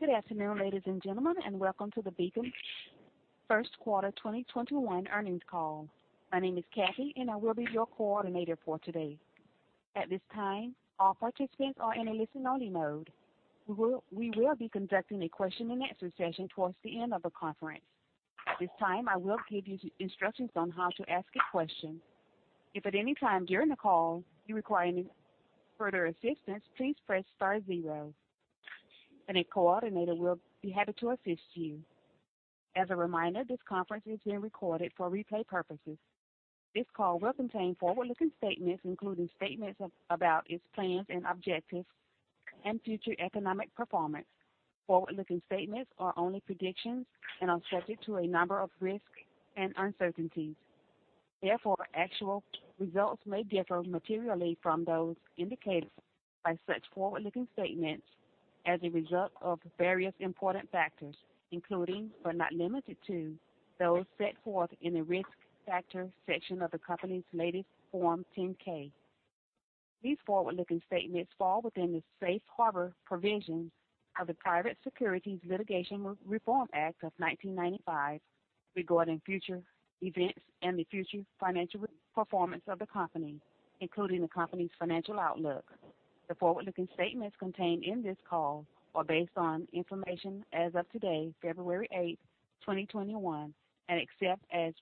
Good afternoon, ladies and gentlemen, and welcome to the Beacon first quarter 2021 earnings call. My name is Kathy, and I will be your coordinator for today. At this time, all participants are in a listen-only mode. We will be conducting a question-and-answer session towards the end of the conference. At this time, I will give you instructions on how to ask a question. If at any time during the call you require any further assistance, please press star zero, and a coordinator will be happy to assist you. As a reminder, this conference is being recorded for replay purposes. This call will contain forward-looking statements, including statements about its plans and objectives and future economic performance. Forward-looking statements are only predictions and are subject to a number of risks and uncertainties. Therefore, actual results may differ materially from those indicated by such forward-looking statements as a result of various important factors, including but not limited to, those set forth in the Risk Factors section of the company's latest Form 10-K. These forward-looking statements fall within the Safe Harbor provisions of the Private Securities Litigation Reform Act of 1995 regarding future events and the future financial performance of the company, including the company's financial outlook. The forward-looking statements contained in this call are based on information as of today, February 8th, 2021. Except as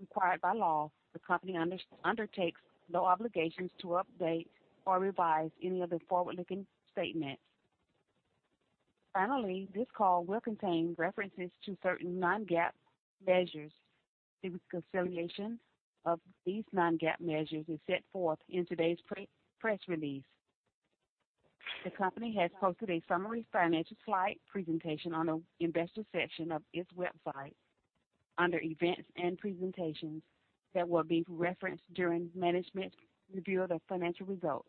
required by law, the company undertakes no obligation to update or revise any of the forward-looking statements. Finally, this call will contain references to certain non-GAAP measures. The reconciliation of these non-GAAP measures is set forth in today's press release. The company has posted a summary financial slide presentation on the investor section of its website under Events and Presentations that will be referenced during management's review of the financial results.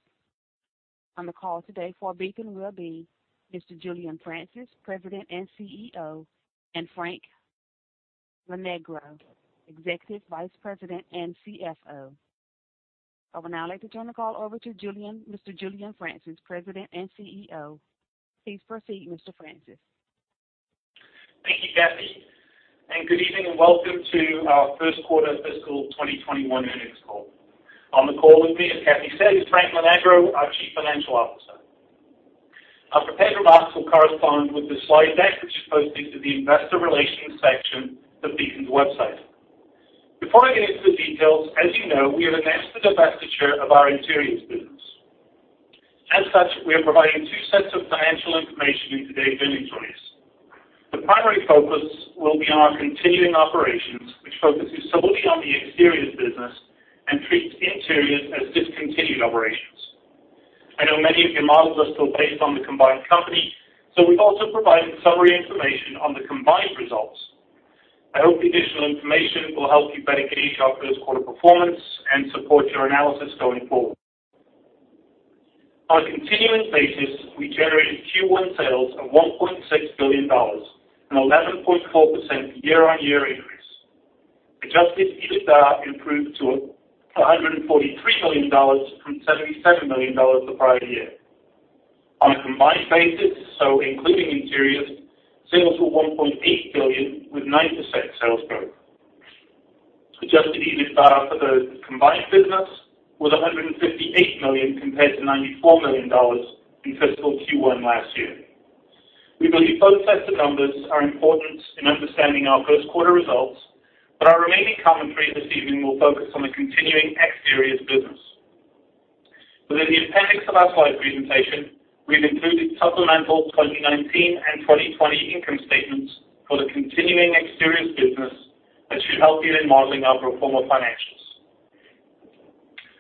On the call today for Beacon will be Mr. Julian Francis, President and CEO, and Frank Lonegro, Executive Vice President and CFO. I would now like to turn the call over to Mr. Julian Francis, President and CEO. Please proceed, Mr. Francis. Thank you, Kathy, good evening, and welcome to our first quarter fiscal 2021 earnings call. On the call with me, as Kathy said, is Frank Lonegro, our Chief Financial Officer. Our prepared remarks will correspond with the slide deck, which is posted to the investor relations section of Beacon's website. Before I get into the details, as you know, we have announced the divestiture of our interiors business. As such, we are providing two sets of financial information in today's earnings release. The primary focus will be on our continuing operations, which focuses solely on the exteriors business and treats interiors as discontinued operations. I know many of your models are still based on the combined company, so we've also provided summary information on the combined results. I hope the additional information will help you better gauge our first quarter performance and support your analysis going forward. On a continuing basis, we generated Q1 sales of $1.6 billion, an 11.4% year-on-year increase. Adjusted EBITDA improved to $143 million from $77 million the prior year. On a combined basis, so including interiors, sales were $1.8 billion with 9% sales growth. Adjusted EBITDA for the combined business was $158 million compared to $94 million in fiscal Q1 last year. We believe both sets of numbers are important in understanding our first quarter results, but our remaining commentary this evening will focus on the continuing exteriors business. Within the appendix of our slide presentation, we've included supplemental 2019 and 2020 income statements for the continuing exteriors business that should help you in modeling our pro forma financials.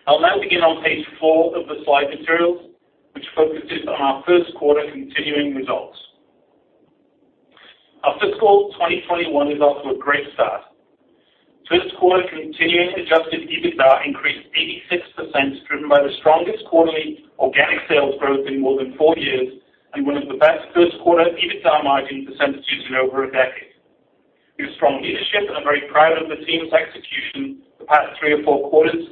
I'll now begin on page four of the slide materials, which focuses on our first quarter continuing results. Our fiscal 2021 is off to a great start. First quarter continuing Adjusted EBITDA increased 86%, driven by the strongest quarterly organic sales growth in more than four years and one of the best first quarter EBITDA margins percentages in over a decade. Through strong leadership, and I'm very proud of the team's execution the past three or four quarters,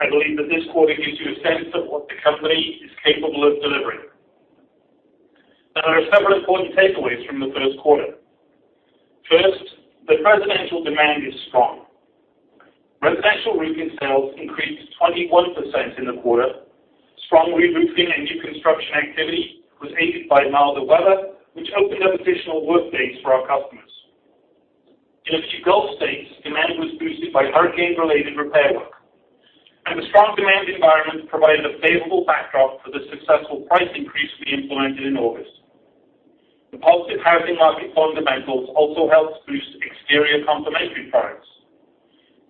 I believe that this quarter gives you a sense of what the company is capable of delivering. There are several important takeaways from the first quarter. First, the residential demand is strong. Residential roofing sales increased 21% in the quarter. Strong reroofing and new construction activity was aided by milder weather, which opened up additional workdays for our customers. In a few Gulf states, demand was boosted by hurricane-related repair work. The strong demand environment provided a favorable backdrop for the successful price increase we implemented in August. The positive housing market fundamentals also helped boost exterior complementary products.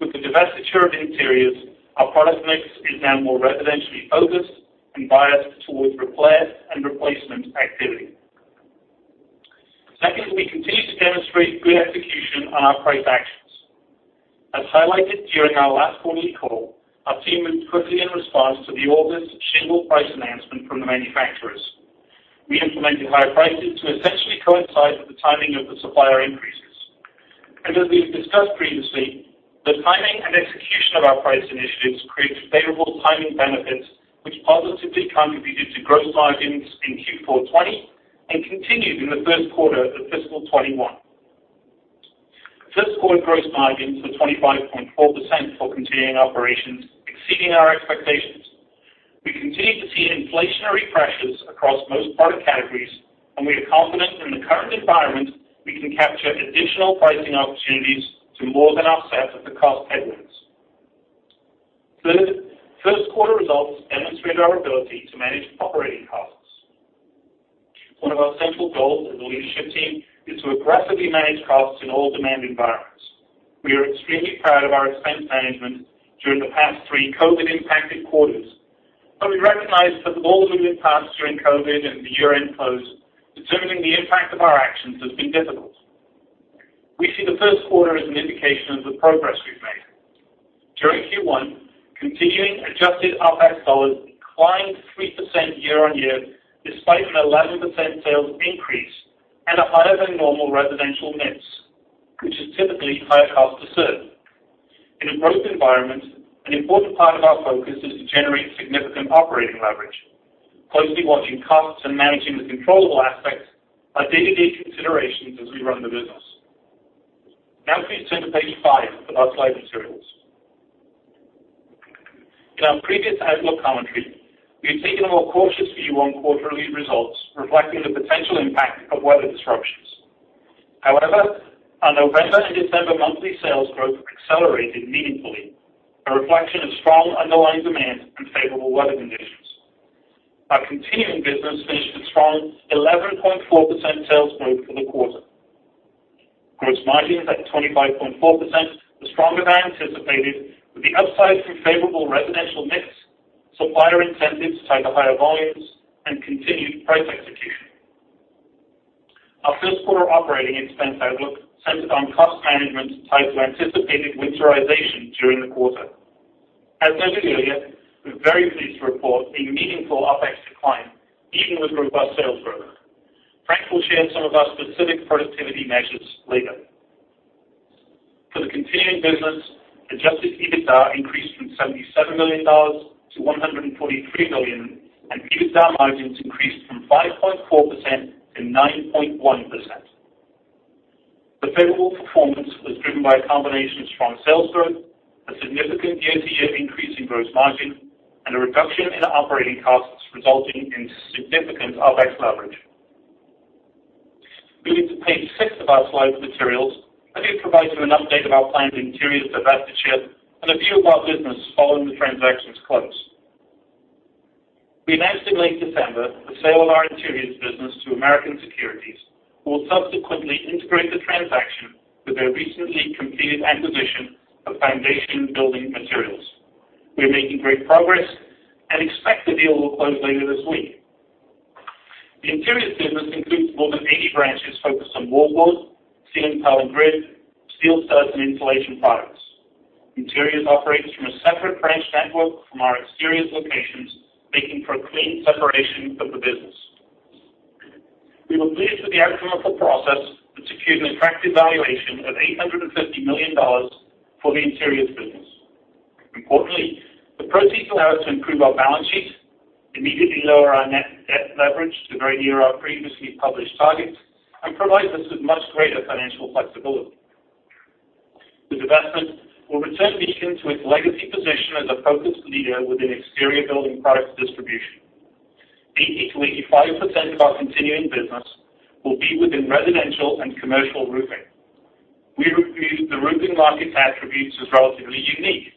With the divestiture of interiors, our product mix is now more residentially focused and biased towards repair and replacement activity. We continue to demonstrate good execution on our price actions. As highlighted during our last quarterly call, our team moved quickly in response to the August shingle price announcement from the manufacturers. We implemented higher prices to essentially coincide with the timing of the supplier increase. As we've discussed previously, the timing and execution of our price initiatives create favorable timing benefits, which positively contributed to gross margins in Q4 2020 and continued in the first quarter of fiscal 2021. First quarter gross margins were 25.4% for continuing operations, exceeding our expectations. We continue to see inflationary pressures across most product categories, and we are confident in the current environment we can capture additional pricing opportunities to more than offset the cost headwinds. Third, first quarter results demonstrate our ability to manage operating costs. One of our central goals as a leadership team is to aggressively manage costs in all demand environments. We are extremely proud of our expense management during the past three COVID-impacted quarters, but we recognize that with all the movement paths during COVID and the year-end close, determining the impact of our actions has been difficult. We see the first quarter as an indication of the progress we've made. During Q1, continuing adjusted OPEX dollars declined 3% year-on-year despite an 11% sales increase and a higher than normal residential mix, which is typically higher cost to serve. In a growth environment, an important part of our focus is to generate significant operating leverage. Closely watching costs and managing the controllable aspects are day-to-day considerations as we run the business. Please turn to page five of our slide materials. In our previous outlook commentary, we had taken a more cautious view on quarterly results, reflecting the potential impact of weather disruptions. However, our November and December monthly sales growth accelerated meaningfully, a reflection of strong underlying demand and favorable weather conditions. Our continuing business finished a strong 11.4% sales growth for the quarter. Gross margins at 25.4% were stronger than anticipated with the upside from favorable residential mix, supplier incentives tied to higher volumes, and continued price execution. Our first quarter operating expense outlook centered on cost management tied to anticipated winterization during the quarter. As mentioned earlier, we're very pleased to report a meaningful OPEX decline even with robust sales growth. Frank will share some of our specific productivity measures later. For the continuing business, Adjusted EBITDA increased from $77 million-$143 million, and EBITDA margins increased from 5.4%-9.1%. The favorable performance was driven by a combination of strong sales growth, a significant year-to-year increase in gross margin, and a reduction in operating costs resulting in significant OPEX leverage. Moving to page six of our slide materials, let me provide you an update of our planned interiors divestiture and a view of our business following the transaction's close. We announced in late December the sale of our interiors business to American Securities, who will subsequently integrate the transaction with their recently completed acquisition of Foundation Building Materials. We are making great progress and expect the deal will close later this week. The interiors business includes more than 80 branches focused on wall board, ceiling tile and grid, steel studs, and insulation products. Interiors operates from a separate branch network from our exteriors locations, making for a clean separation of the business. We were pleased with the outcome of the process, which secured an attractive valuation of $850 million for the interiors business. Importantly, the proceeds allow us to improve our balance sheet, immediately lower our net debt leverage to very near our previously published targets, and provide us with much greater financial flexibility. The divestment will return Beacon to its legacy position as a focused leader within exterior building products distribution. 80%-85% of our continuing business will be within residential and commercial roofing. We review the roofing market attributes as relatively unique.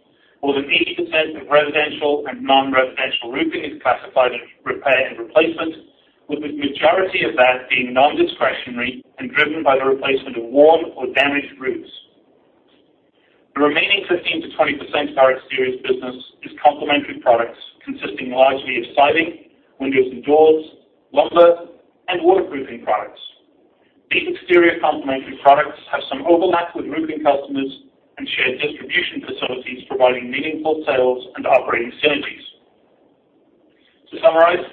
More than 80% of residential and non-residential roofing is classified as repair and replacement, with the majority of that being non-discretionary and driven by the replacement of worn or damaged roofs. The remaining 15%-20% of our exteriors business is complementary products consisting largely of siding, windows and doors, lumber, and waterproofing products. These exterior complementary products have some overlap with roofing customers and shared distribution facilities providing meaningful sales and operating synergies. To summarize,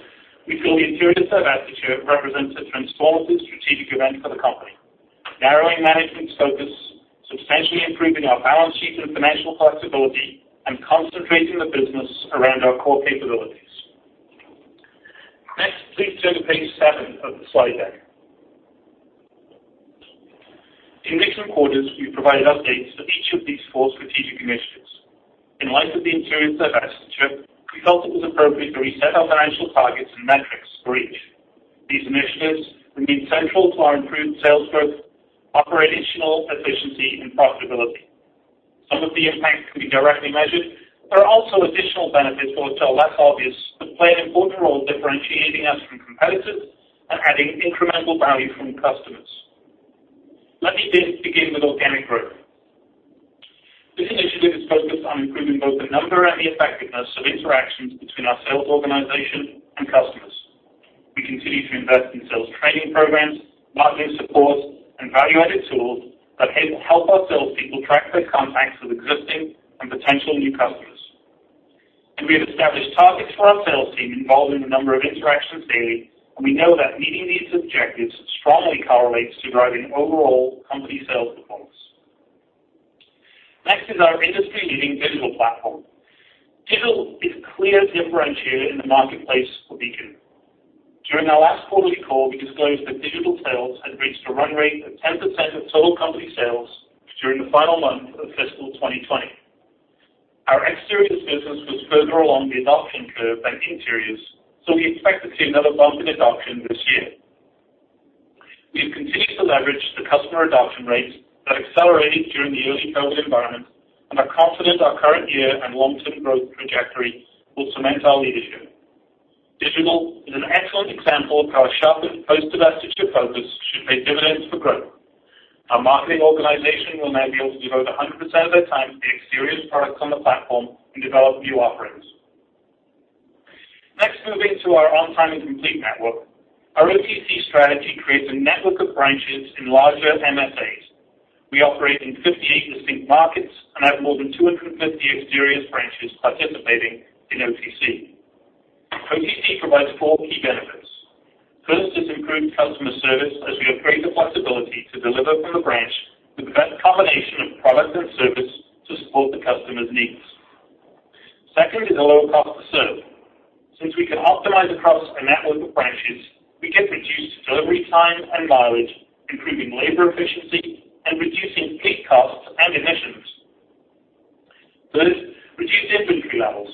we feel the interiors divestiture represents a transformative strategic event for the company, narrowing management's focus, substantially improving our balance sheet and financial flexibility, and concentrating the business around our core capabilities. Next, please turn to page seven of the slide deck. In recent quarters, we've provided updates for each of these four strategic initiatives. In light of the interiors divestiture, we felt it was appropriate to reset our financial targets and metrics for each. These initiatives remain central to our improved sales growth, operational efficiency, and profitability. Some of the impacts can be directly measured, but are also additional benefits that are less obvious but play an important role differentiating us from competitors and adding incremental value from customers. Let me begin with organic growth. This initiative is focused on improving both the number and the effectiveness of interactions between our sales organization and customers. We continue to invest in sales training programs, marketing support, and value-added tools that help our salespeople track their contacts with existing and potential new customers. We have established targets for our sales team involving the number of interactions daily, and we know that meeting these objectives strongly correlates to driving overall company sales performance. Next is our industry-leading digital platform. Digital is a clear differentiator in the marketplace for Beacon. During our last quarterly call, we disclosed that digital sales had reached a run rate of 10% of total company sales during the final month of fiscal 2020. Our Exteriors business was further along the adoption curve than Interiors. We expect to see another bump in adoption this year. We've continued to leverage the customer adoption rates that accelerated during the early COVID environment and are confident our current year and long-term growth trajectory will cement our leadership. Digital is an excellent example of how a sharpened post-divestiture focus should pay dividends for growth. Our marketing organization will now be able to devote 100% of their time to the Exteriors products on the platform and develop new offerings. Next, moving to our On-Time and Complete network. Our OTC strategy creates a network of branches in larger MSAs. We operate in 58 distinct markets and have more than 250 Exterior branches participating in OTC. OTC provides four key benefits. First is improved customer service as we have greater flexibility to deliver from the branch with the best combination of product and service to support the customer's needs. Second is a lower cost to serve. Since we can optimize across a network of branches, we can reduce delivery time and mileage, improving labor efficiency and reducing peak costs and emissions. Third, reduced inventory levels.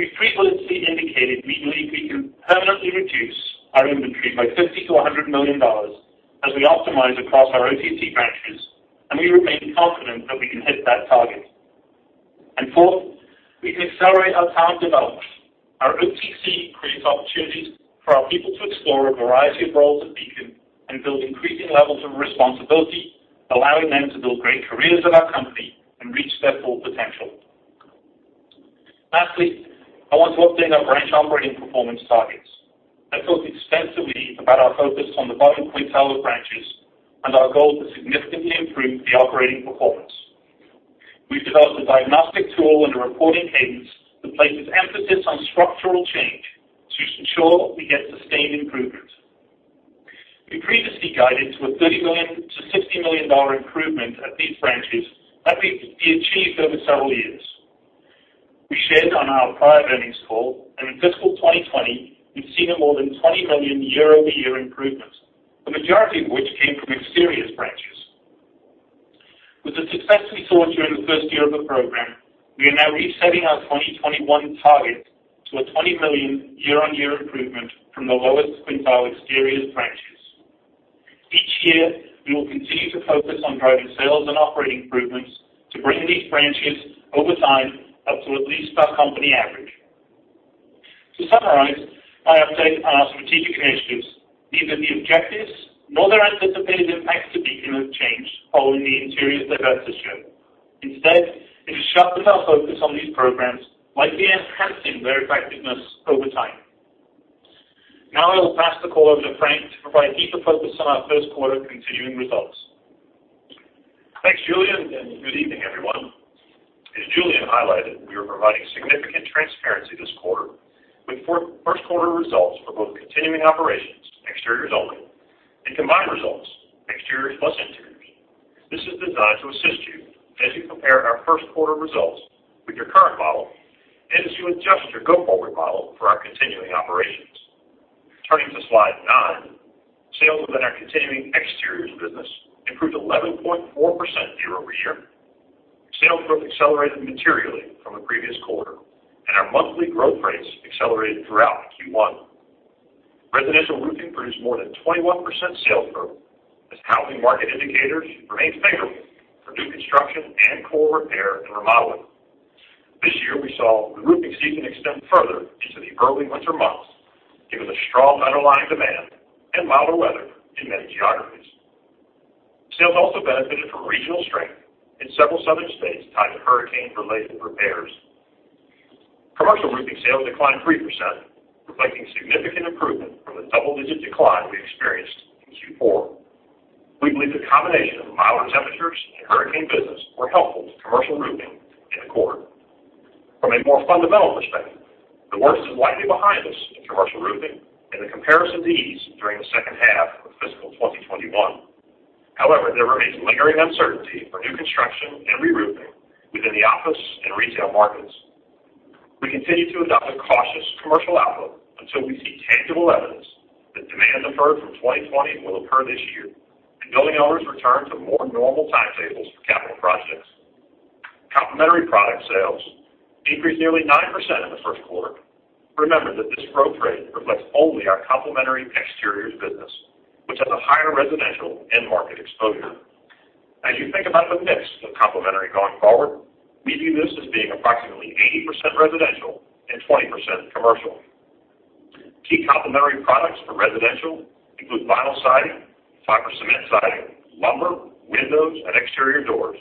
We've previously indicated we believe we can permanently reduce our inventory by $50 million-$100 million as we optimize across our OTC branches, and we remain confident that we can hit that target. fourth, we can accelerate our talent development. Our OTC creates opportunities for our people to explore a variety of roles at Beacon and build increasing levels of responsibility, allowing them to build great careers at our company and reach their full potential. I want to update our branch operating performance targets. I talked extensively about our focus on the bottom quintile of branches and our goal to significantly improve the operating performance. We've developed a diagnostic tool and a reporting cadence that places emphasis on structural change to ensure we get sustained improvement. We previously guided to a $30 million-$60 million improvement at these branches that we've achieved over several years. We shared on our prior earnings call and in fiscal 2020, we've seen a more than $20 million year-over-year improvement, the majority of which came from Exteriors branches. With the success we saw during the first year of the program, we are now resetting our 2021 target to a $20 million year-on-year improvement from the lowest quintile Exteriors branches. Each year, we will continue to focus on driving sales and operating improvements to bring these branches over time up to at least our company average. To summarize my update on our strategic initiatives, neither the objectives nor their anticipated impact to Beacon have changed following the Interiors divestiture. It has sharpened our focus on these programs, likely enhancing their effectiveness over time. I will pass the call over to Frank to provide deeper focus on our first quarter continuing results. Thanks, Julian, and good evening, everyone. As Julian highlighted, we are providing significant transparency this quarter with first quarter results for both continuing operations, Exteriors only, and combined results, Exteriors plus Interiors. This is designed to assist you as you compare our first quarter results with your current model and as you adjust your go-forward model for our continuing operations. Turning to slide nine. Sales within our continuing Exteriors business improved 11.4% year-over-year. Sales growth accelerated materially from the previous quarter. Our monthly growth rates accelerated throughout Q1. Residential roofing produced more than 21% sales growth as housing market indicators remained favorable for new construction and core repair and remodeling. This year, we saw the roofing season extend further into the early winter months, given the strong underlying demand and milder weather in many geographies. Sales also benefited from regional strength in several southern states tied to hurricane-related repairs. Commercial roofing sales declined 3%, reflecting significant improvement from the double-digit decline we experienced in Q4. We believe the combination of milder temperatures and hurricane business were helpful to commercial roofing in the quarter. From a more fundamental perspective, the worst is likely behind us in commercial roofing and the comparisons ease during the second half of fiscal 2021. There remains lingering uncertainty for new construction and reroofing within the office and retail markets. We continue to adopt a cautious commercial outlook until we see tangible evidence that demand deferred from 2020 will occur this year and building owners return to more normal timetables for capital projects. Complementary product sales decreased nearly 9% in the first quarter. Remember that this growth rate reflects only our complementary Exteriors business, which has a higher residential end market exposure. As you think about the mix of complementary going forward, we view this as being approximately 80% residential and 20% commercial. Key complementary products for residential include vinyl siding, fiber cement siding, lumber, windows, and exterior doors.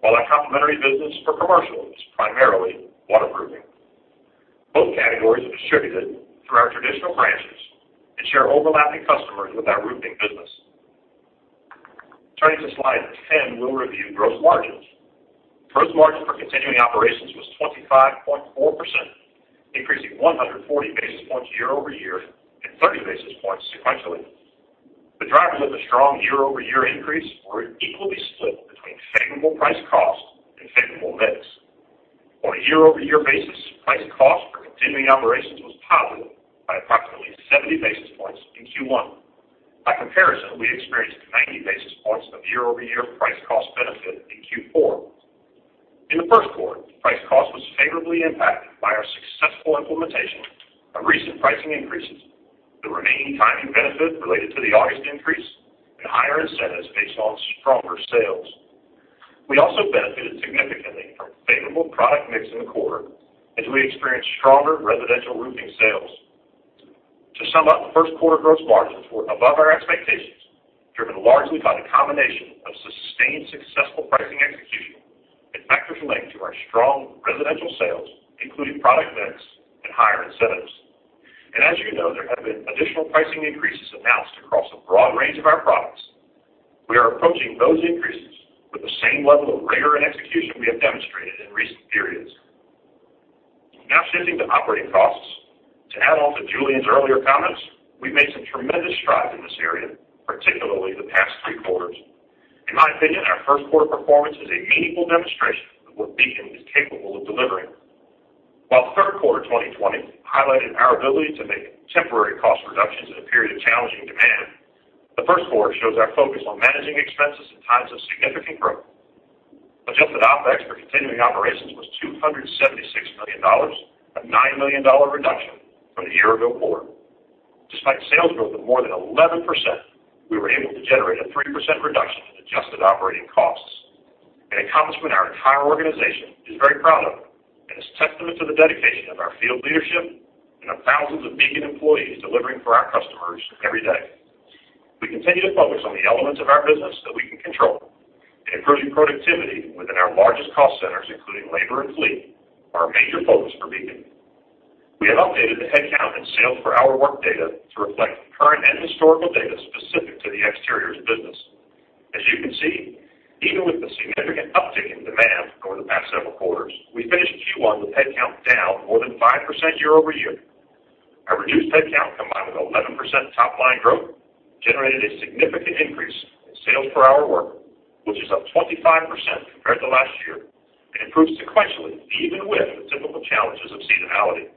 While our complementary business for commercial is primarily waterproofing. Both categories are distributed through our traditional branches and share overlapping customers with our roofing business. Turning to slide 10, we'll review gross margins. Gross margin for continuing operations was 25.4%, increasing 140 basis points year-over-year and 30 basis points sequentially. The drivers of the strong year-over-year increase were equally split between favorable price cost and favorable mix. On a year-over-year basis, price cost for continuing operations was positive by approximately 70 basis points in Q1. By comparison, we experienced 90 basis points of year-over-year price cost benefit in Q4. In the first quarter, price cost was favorably impacted by our successful implementation of recent pricing increases, the remaining timing benefit related to the August increase, and higher incentives based on stronger sales. We also benefited significantly from favorable product mix in the quarter as we experienced stronger residential roofing sales. To sum up, first quarter gross margins were above our expectations, driven largely by the combination of sustained successful pricing execution and factors linked to our strong residential sales, including product mix and higher incentives. As you know, there have been additional pricing increases announced across a broad range of our products. We are approaching those increases with the same level of rigor and execution we have demonstrated in recent periods. Shifting to operating costs. To add on to Julian's earlier comments, we've made some tremendous strides in this area, particularly the past three quarters. In my opinion, our first quarter performance is a meaningful demonstration of what Beacon is capable of delivering. While third quarter 2020 highlighted our ability to make temporary cost reductions in a period of challenging demand, the first quarter shows our focus on managing expenses in times of significant growth. Adjusted OpEx for continuing operations was $276 million, a $9 million reduction from the year-ago quarter. Despite sales growth of more than 11%, we were able to generate a 3% reduction in adjusted operating costs, an accomplishment our entire organization is very proud of and is testament to the dedication of our field leadership and the thousands of Beacon employees delivering for our customers every day. We continue to focus on the elements of our business that we can control. Improving productivity within our largest cost centers, including labor and fleet, are a major focus for Beacon. We have updated the headcount and sales per hour worked data to reflect current and historical data specific to the Exteriors business. As you can see, even with the significant uptick in demand over the past several quarters, we finished Q1 with headcount down more than 5% year-over-year. A reduced headcount combined with 11% top-line growth generated a significant increase in sales per hour worked, which is up 25% compared to last year and improved sequentially even with the typical challenges of seasonality.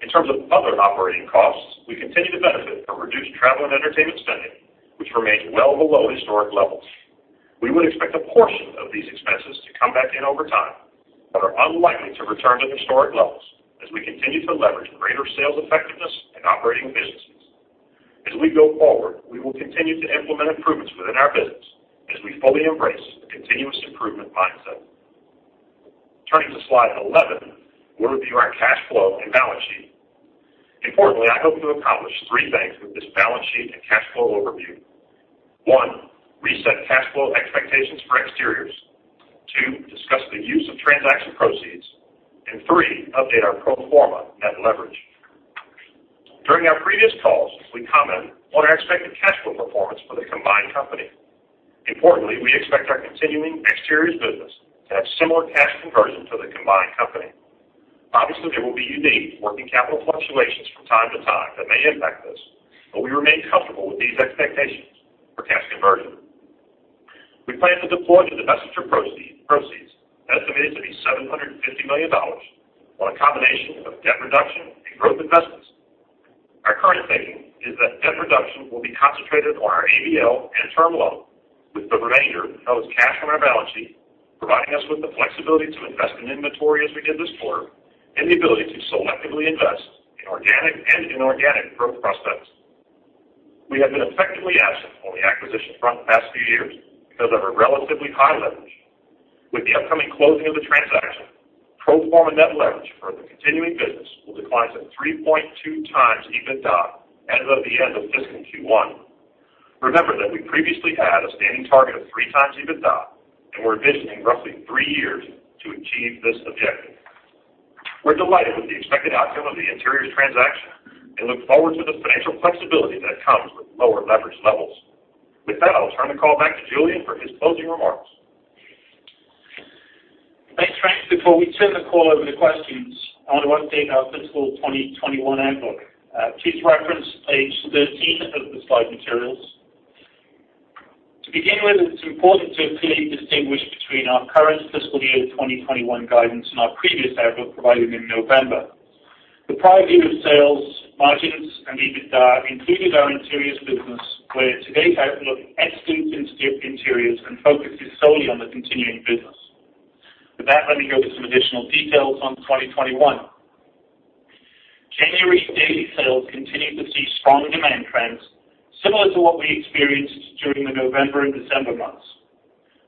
In terms of other operating costs, we continue to benefit from reduced travel and entertainment spending, which remains well below historic levels. We would expect a portion of these expenses to come back in over time, but are unlikely to return to historic levels as we continue to leverage greater sales effectiveness and operating efficiencies. As we go forward, we will continue to implement improvements within our business as we fully embrace a continuous improvement mindset. Turning to slide 11, we'll review our cash flow and balance sheet. Importantly, I hope to accomplish three things with this balance sheet and cash flow overview. One, reset cash flow expectations for Exteriors. Two, discuss the use of transaction proceeds. Three, update our pro forma net leverage. During our previous calls, we commented on our expected cash flow performance for the combined company. Importantly, we expect our continuing Exteriors business to have similar cash conversion to the combined company. Obviously, there will be unique working capital fluctuations from time to time that may impact this, but we remain comfortable with these expectations for cash conversion. We plan to deploy the divestiture proceeds, estimated to be $750 million, on a combination of debt reduction and growth investments. Our current thinking is that debt reduction will be concentrated on our ABL and term loan, with the remainder held as cash on our balance sheet, providing us with the flexibility to invest in inventory as we did this quarter and the ability to selectively invest in organic and inorganic growth prospects. We have been effectively absent on the acquisition front the past few years because of our relatively high leverage. With the upcoming closing of the transaction, pro forma net leverage for the continuing business will decline to 3.2 times EBITDA as of the end of fiscal Q1. Remember that we previously had a standing target of 3x EBITDA. We're envisioning roughly three years to achieve this objective. We're delighted with the expected outcome of the Interiors transaction and look forward to the financial flexibility that comes with lower leverage levels. With that, I'll turn the call back to Julian for his closing remarks. Thanks, Frank. Before we turn the call over to questions, I want to update our fiscal 2021 outlook. Please reference page 13 of the slide materials. To begin with, it's important to clearly distinguish between our current fiscal year 2021 guidance and our previous outlook provided in November. The prior view of sales, margins, and EBITDA included our Interiors business, where today's outlook excludes Interiors and focuses solely on the continuing business. With that, let me go through some additional details on 2021. January daily sales continued to see strong demand trends similar to what we experienced during the November and December months.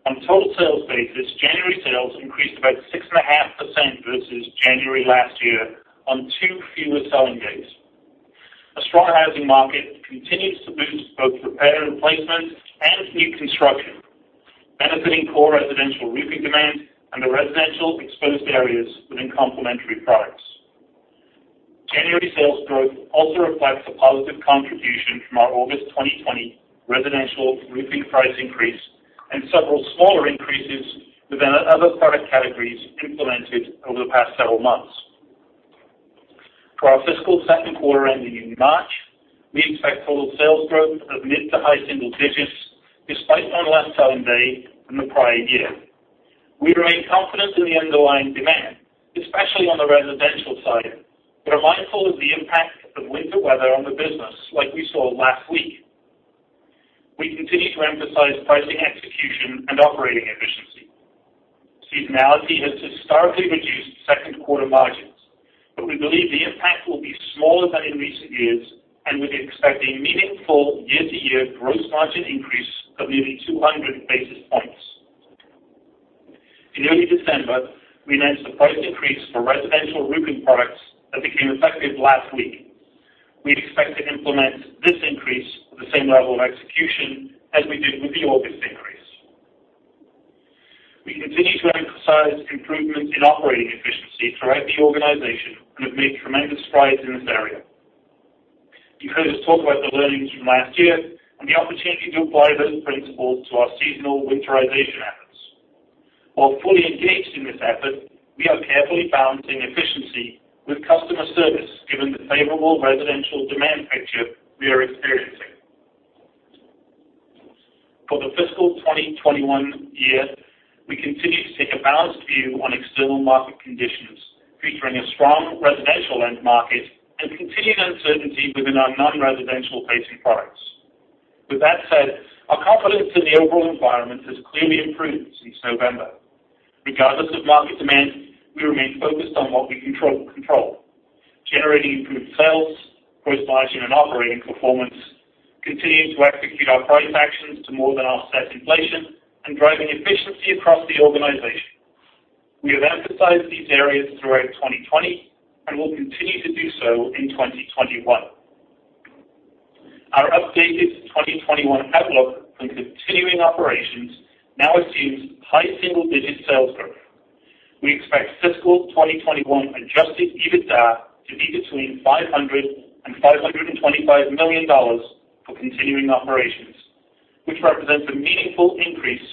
On a total sales basis, January sales increased about 6.5% versus January last year on two fewer selling days. A strong housing market continues to boost both repair and replacement and new construction, benefiting core residential roofing demand and the residential exposed areas within complementary products. January sales growth also reflects a positive contribution from our August 2020 residential roofing price increase and several smaller increases within other product categories implemented over the past several months. For our fiscal second quarter ending in March, we expect total sales growth of mid to high shingle digits despite one less selling day than the prior year. We remain confident in the underlying demand, especially on the residential side, but are mindful of the impact of winter weather on the business like we saw last week. We continue to emphasize pricing execution and operating efficiency. Seasonality has historically reduced second quarter margins, but we believe the impact will be smaller than in recent years, and we expect a meaningful year-to-year gross margin increase of nearly 200 basis points. In early December, we announced a price increase for residential roofing products that became effective last week. We expect to implement this increase with the same level of execution as we did with the August increase. We continue to emphasize improvements in operating efficiency throughout the organization and have made tremendous strides in this area. You heard us talk about the learnings from last year and the opportunity to apply those principles to our seasonal winterization efforts. While fully engaged in this effort, we are carefully balancing efficiency with customer service given the favorable residential demand picture we are experiencing. For the fiscal 2021 year, we continue to take a balanced view on external market conditions, featuring a strong residential end market and continued uncertainty within our non-residential pacing products. With that said, our confidence in the overall environment has clearly improved since November. Regardless of market demand, we remain focused on what we can control: generating improved sales, gross margin, and operating performance, continuing to execute our price actions to more than offset inflation, and driving efficiency across the organization. We have emphasized these areas throughout 2020 and will continue to do so in 2021. Our updated 2021 outlook on continuing operations now assumes high single-digit sales growth. We expect fiscal 2021 Adjusted EBITDA to be between $500 million and $525 million for continuing operations, which represents a meaningful increase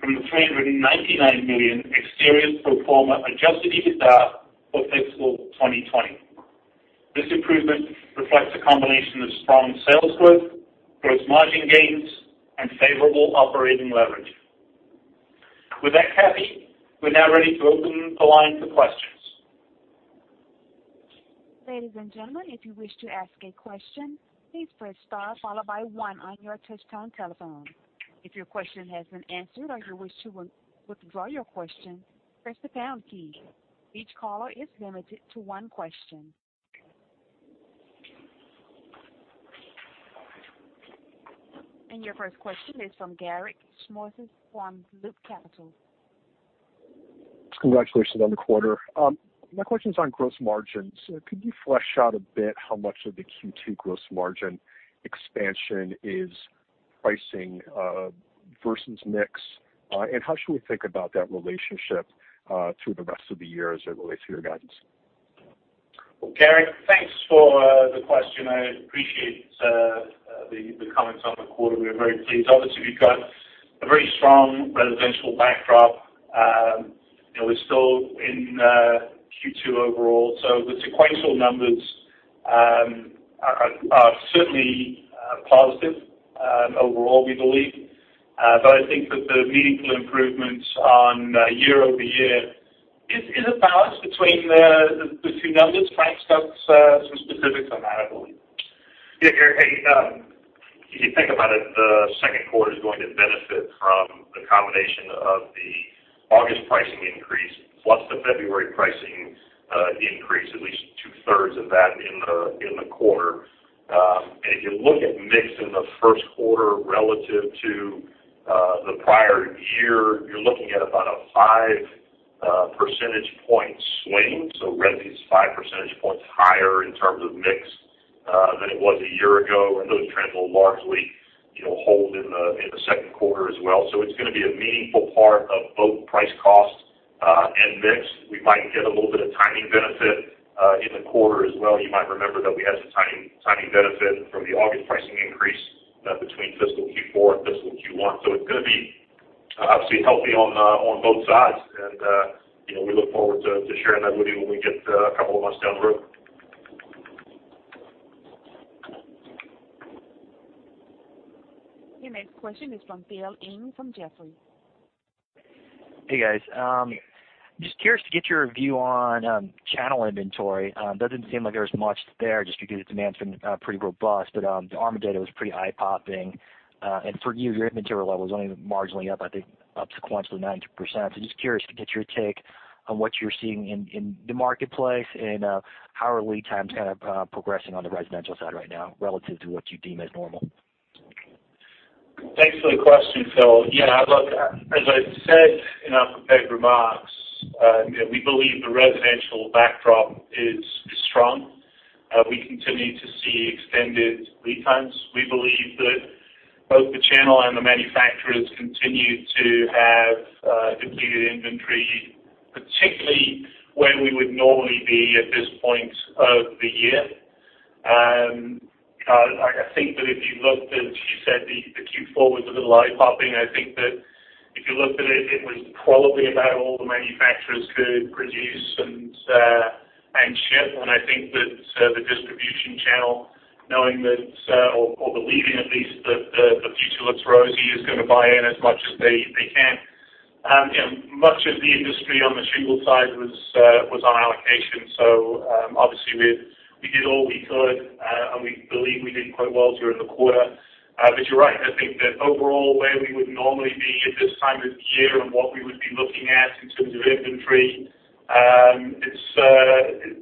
from the $399 million ex-Interiors pro forma Adjusted EBITDA for fiscal 2020. This improvement reflects a combination of strong sales growth, gross margin gains, and favorable operating leverage. With that, Kathy, we're now ready to open the line for questions. Ladies and gentlemen, if you wish to ask a question, please press star followed by 1 on your touch-tone telephone. If your question has been answered or if you wish to withdraw your question, press the pound key. Each caller is limited to one question. Your first question is from Garik Shmois from Loop Capital. Congratulations on the quarter. My question's on gross margins. Could you flesh out a bit how much of the Q2 gross margin expansion is pricing versus mix? How should we think about that relationship through the rest of the year as it relates to your guidance? Garik, thanks for the question. I appreciate the comments on the quarter. We are very pleased. Obviously, we've got a very strong residential backdrop. We're still in Q2 overall, so the sequential numbers are certainly positive overall, we believe. I think that the meaningful improvements on year-over-year is a balance between the two numbers. Frank's got some specifics on that, I believe. Yeah, Garik. If you think about it, the second quarter is going to benefit from the combination of the August pricing increase plus the February pricing increase, at least two-thirds of that in the quarter. If you look at mix in the first quarter relative to the prior year, you're looking at about a five percentage point swing. Resi is five percentage points higher in terms of mix than it was a year ago, and those trends will largely hold in the second quarter as well. It's going to be a meaningful part of both price cost and mix. We might get a little bit of timing benefit in the quarter as well. You might remember that we had some timing benefit from the August pricing increase between fiscal Q4 and fiscal Q1. It's going to be obviously healthy on both sides and we look forward to sharing that with you when we get a couple of months down the road. Your next question is from Philip Ng from Jefferies. Hey, guys. Just curious to get your view on channel inventory. Doesn't seem like there's much there just because demand's been pretty robust, but the ARMA data was pretty eye-popping. For you, your inventory level is only marginally up, I think up sequentially 9%. Just curious to get your take on what you're seeing in the marketplace and how are lead times progressing on the residential side right now relative to what you deem as normal. Thanks for the question, Phil. Yeah, look, as I said in our prepared remarks, we believe the residential backdrop is strong. We continue to see extended lead times. We believe that both the channel and the manufacturers continue to have depleted inventory, particularly where we would normally be at this point of the year. I think that if you looked, as you said, the Q4 was a little eye-popping. I think that if you looked at it was probably about all the manufacturers could produce and ship. I think that the distribution channel, knowing that, or believing at least that the future looks rosy, is going to buy in as much as they can. Much of the industry on the shingle side was on allocation. Obviously, we did all we could, and we believe we did quite well during the quarter. You're right, I think that overall, where we would normally be at this time of year and what we would be looking at in terms of inventory, it's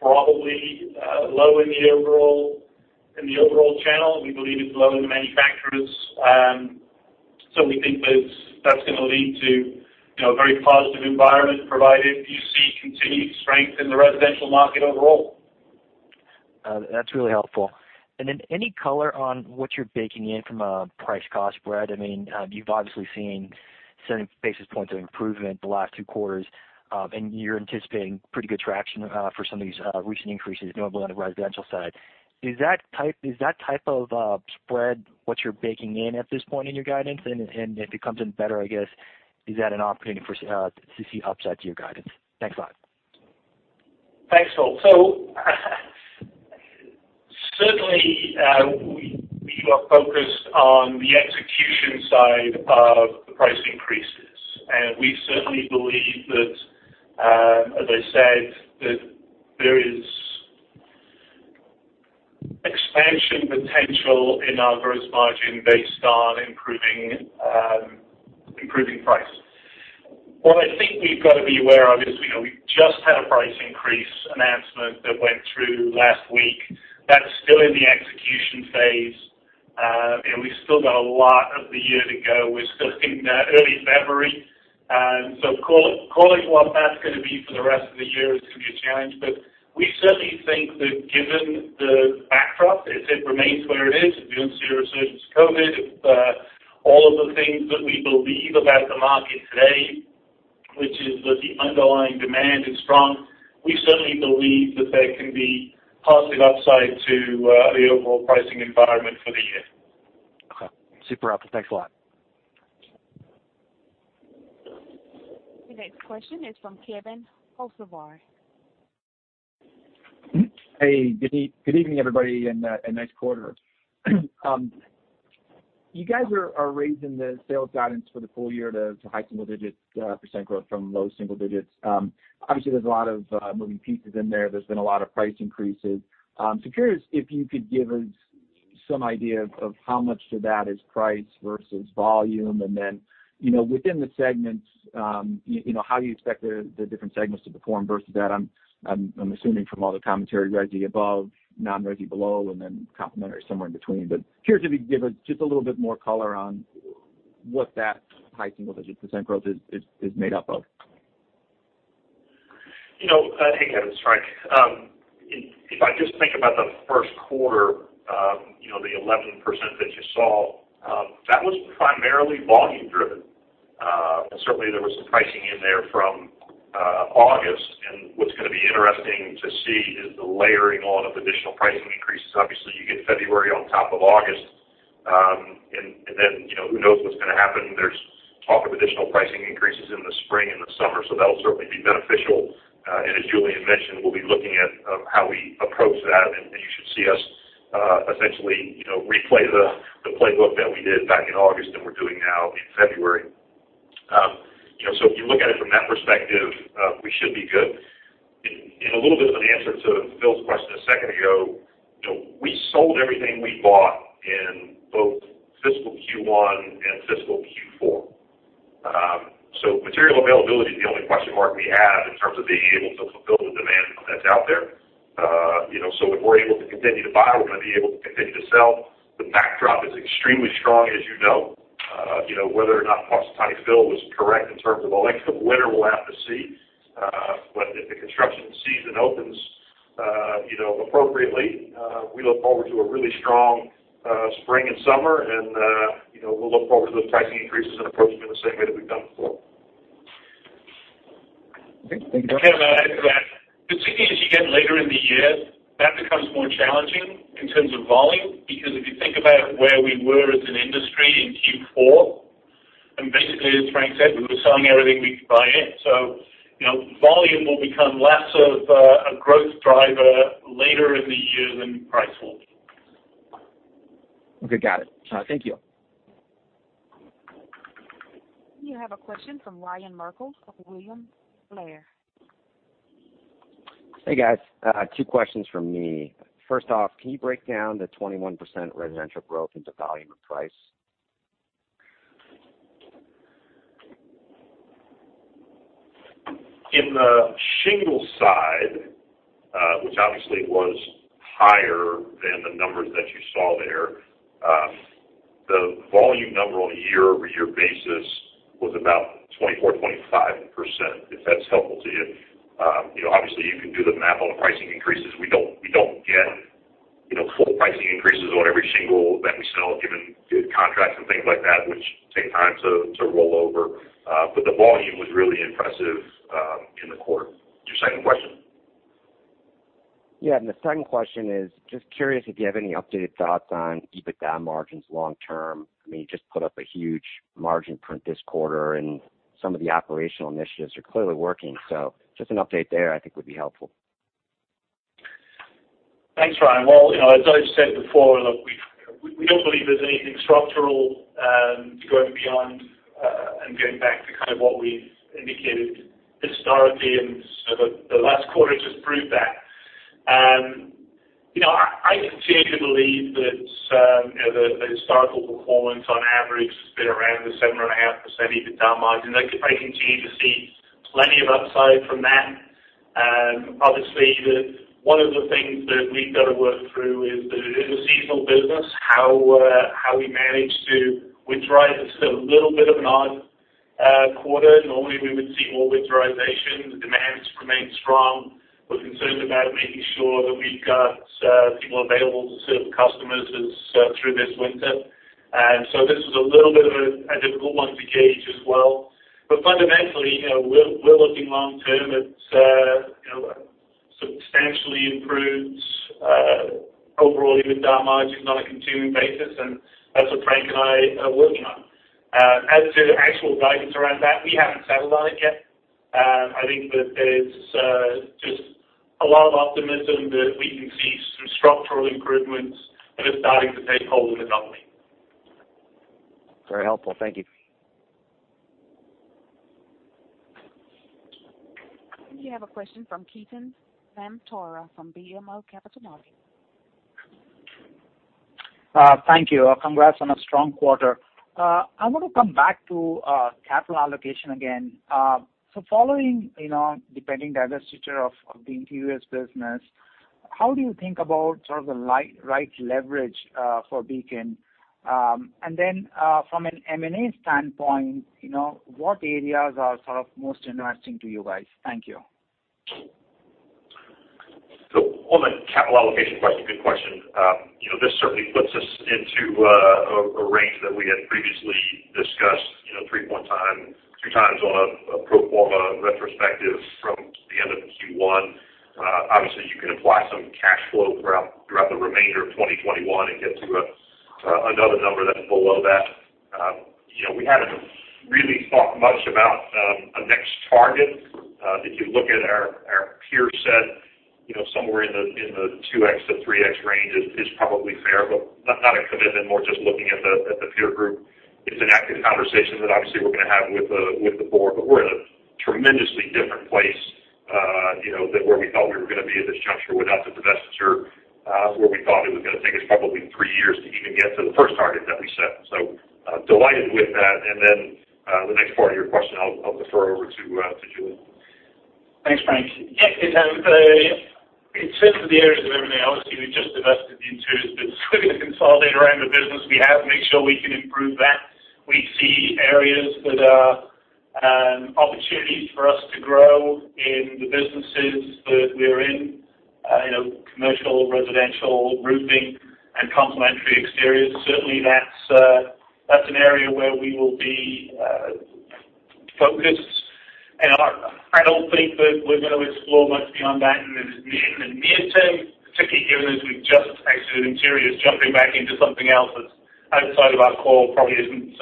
probably low in the overall channel. We believe it's low in the manufacturers. We think that's going to lead to a very positive environment, provided you see continued strength in the residential market overall. That's really helpful. Any color on what you're baking in from a price-cost spread? You've obviously seen 70 basis points of improvement the last two quarters, and you're anticipating pretty good traction for some of these recent increases, notably on the residential side. Is that type of spread what you're baking in at this point in your guidance? If it comes in better, I guess, is that an opportunity for us to see upside to your guidance? Thanks a lot. Thanks, Phil. Certainly, we are focused on the execution side of the price increases. We certainly believe that, as I said, that there is expansion potential in our gross margin based on improving price. What I think we've got to be aware of is we've just had a price increase announcement that went through last week. That's still in the execution phase, and we've still got a lot of the year to go. We're still sitting there, early February, and so calling what that's going to be for the rest of the year is going to be a challenge. We certainly think that given the backdrop, if it remains where it is, if we don't see a resurgence of COVID, if all of the things that we believe about the market today, which is that the underlying demand is strong, we certainly believe that there can be positive upside to the overall pricing environment for the year. Okay. Super helpful. Thanks a lot. The next question is from Kevin Osvath. Good evening, everybody, and nice quarter. You guys are raising the sales guidance for the full year to high single-digit % growth from low single-digits. Obviously, there's a lot of moving pieces in there. There's been a lot of price increases. Curious if you could give us some idea of how much of that is price versus volume. Within the segments, how do you expect the different segments to perform versus that? I'm assuming from all the commentary, resi above, non-resi below, and then complementary somewhere in between. Curious if you could give us just a little bit more color on what that high single-digit % growth is made up of. Hey, Kevin, it's Frank. If I just think about the first quarter, the 11% that you saw, that was primarily volume driven. Certainly, there was some pricing in there from August. What's going to be interesting to see is the layering on of additional pricing increases. Obviously, you get February on top of August, and then who knows what's going to happen. There's talk of additional pricing increases in the spring and the summer, so that'll certainly be beneficial. As Julian mentioned, we'll be looking at how we approach that, and you should see us essentially replay the playbook that we did back in August, and we're doing now in February. If you look at it from that perspective, we should be good. In a little bit of an answer to Philip's question a second ago, we sold everything we bought in both fiscal Q1 and fiscal Q4. Material availability is the only question mark we have in terms of being able to fulfill the demand that's out there. If we're able to continue to buy, we're going to be able to continue to sell. The backdrop is extremely strong, as you know. Whether or not Punxsutawney Phil was correct in terms of the length of winter, we'll have to see. If the construction season opens appropriately, we look forward to a really strong spring and summer, and we'll look forward to those pricing increases and approach them in the same way that we've done before. Thanks. Can I add to that? Particularly as you get later in the year, that becomes more challenging in terms of volume, because if you think about where we were as an industry in Q4, and basically, as Frank said, we were selling everything we could buy in. Volume will become less of a growth driver later in the year than price will. Okay, got it. Thank you. You have a question from Ryan Merkel of William Blair. Hey, guys. Two questions from me. Can you break down the 21% residential growth into volume and price? In the shingle side, which obviously was higher than the numbers that you saw there, the volume number on a year-over-year basis was about 24%, 25%, if that's helpful to you. Obviously, you can do the math on the pricing increases. We don't get full pricing increases on every single event we sell, given contracts and things like that, which take time to roll over. The volume was really impressive in the quarter. Your second question? Yeah. The second question is, just curious if you have any updated thoughts on EBITDA margins long term. You just put up a huge margin print this quarter, and some of the operational initiatives are clearly working. Just an update there, I think, would be helpful. Thanks, Ryan. Well, as I've said before, look, we don't believe there's anything structural going beyond and going back to what we've indicated historically. The last quarter just proved that. I continue to believe that the historical performance on average has been around the 7.5% EBITDA margin. I continue to see plenty of upside from that. Obviously, one of the things that we've got to work through is the seasonal business, how we manage to winterize. This is a little bit of an odd quarter. Normally, we would see more winterization. The demands remain strong. We're concerned about making sure that we've got people available to serve customers through this winter. This was a little bit of a difficult one to gauge as well. Fundamentally we're looking long term. It substantially improves overall EBITDA margins on a continuing basis, and that's what Frank and I are working on. As to the actual guidance around that, we haven't settled on it yet. I think that there's just a lot of optimism that we can see some structural improvements that are starting to take hold in the company. Very helpful. Thank you. We have a question from Ketan Mamtora from BMO Capital Markets. Thank you. Congrats on a strong quarter. I want to come back to capital allocation again. Following, depending on the divestiture of the interiors business, how do you think about the right leverage for Beacon? From an M&A standpoint, what areas are most interesting to you guys? Thank you. On the capital allocation question, good question. This certainly puts us into a range that we had previously discussed, 3x on a pro forma retrospective from the end of Q1. Obviously, you can apply some cash flow throughout the remainder of 2021 and get to another number that's below that. We haven't really thought much about a next target. If you look at our peer set, somewhere in the 2x-3x range is probably fair, but not a commitment, more just looking at the peer group. It's an active conversation that obviously we're going to have with the board. We're in a tremendously different place than where we thought we were going to be at this juncture without the divestiture, where we thought it was going to take us probably three years to even get to the first target that we set. Delighted with that. The next part of your question, I'll defer over to Julian. Thanks, Frank. Yeah, Ketan, in terms of the areas of M&A, obviously, we've just divested the Interiors business. Consolidate around the business we have, make sure we can improve that. We see areas that are opportunities for us to grow in the businesses that we're in. Commercial, residential, roofing, and complementary exteriors. Certainly, that's an area where we will be focused. I don't think that we're going to explore much beyond that in the near term, particularly given that we've just exited Interiors. Jumping back into something else that's outside of our core probably isn't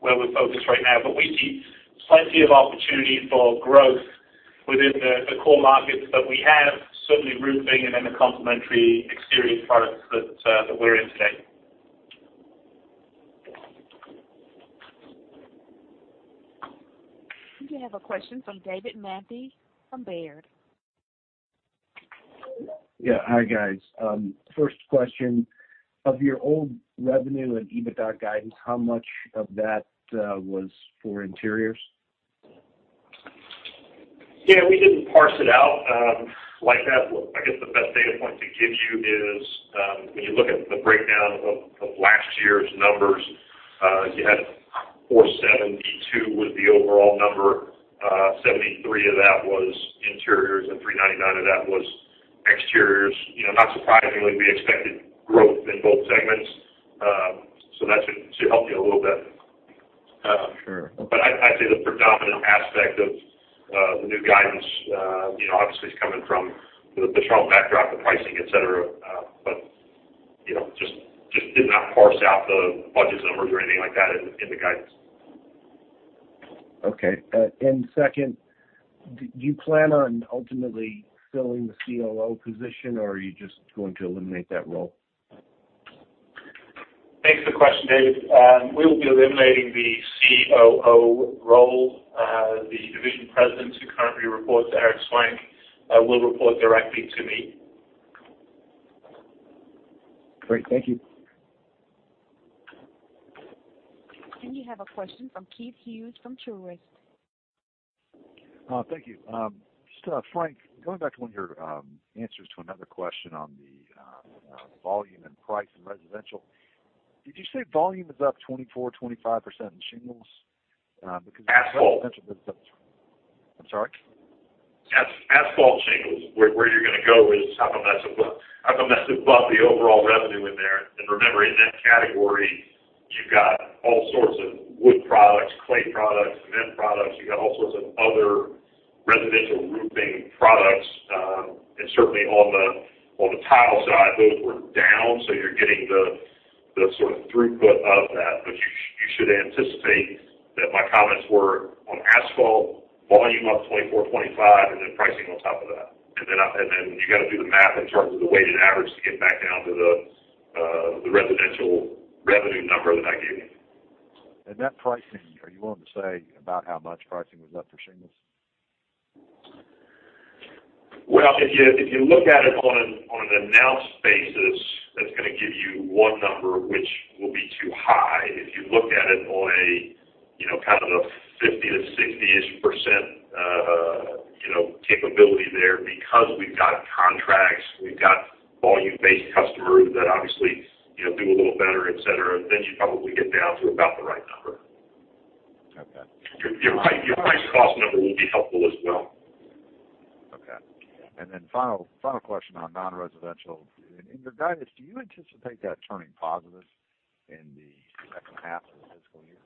where we're focused right now. We see plenty of opportunity for growth within the core markets that we have, certainly roofing and then the complementary exterior products that we're in today. We do have a question from David Manthey from Baird. Yeah. Hi, guys. First question, of your old revenue and EBITDA guidance, how much of that was for Interiors? Yeah, we didn't parse it out like that. Look, I guess the best data point to give you is when you look at the breakdown of last year's numbers, you had $472 was the overall number. $73 of that was Interiors, and $399 of that was Exteriors. Not surprisingly, we expected growth in both segments. That should help you a little bit. Sure. I'd say the predominant aspect of the new guidance obviously is coming from the strong backdrop of pricing, et cetera. Just did not parse out the budget numbers or anything like that in the guidance. Okay. Second, do you plan on ultimately filling the COO position, or are you just going to eliminate that role? Thanks for the question, David. We will be eliminating the COO role. The division presidents who currently report to Eric Swank will report directly to me. Great. Thank you. You have a question from Keith Hughes from Truist. Thank you. Frank, going back to one of your answers to another question on the volume and price in residential, did you say volume is up 24%, 25% in shingles? Asphalt. I'm sorry? Asphalt shingles, where you're going to go is how much of that is above the overall revenue in there. Remember, in that category, you've got all sorts of wood products, clay products, cement products. You've got all sorts of other residential roofing products. Certainly on the tile side, those were down. You're getting the throughput of that. You should anticipate that my comments were on asphalt volume up 24%, 25%, and then pricing on top of that. You got to do the math in terms of the weighted average to get back down to the residential revenue number that I gave you. That pricing, are you willing to say about how much pricing was up for shingles? Well, if you look at it on an announced basis, that's going to give you one number, which will be too high. If you look at it on a kind of a 50 to 60-ish% capability there, because we've got contracts, we've got volume-based customers that obviously do a little better, et cetera, then you probably get down to about the right number. Okay. Your price-cost number will be helpful as well. Okay. Final question on non-residential. In your guidance, do you anticipate that turning positive in the second half of the fiscal year?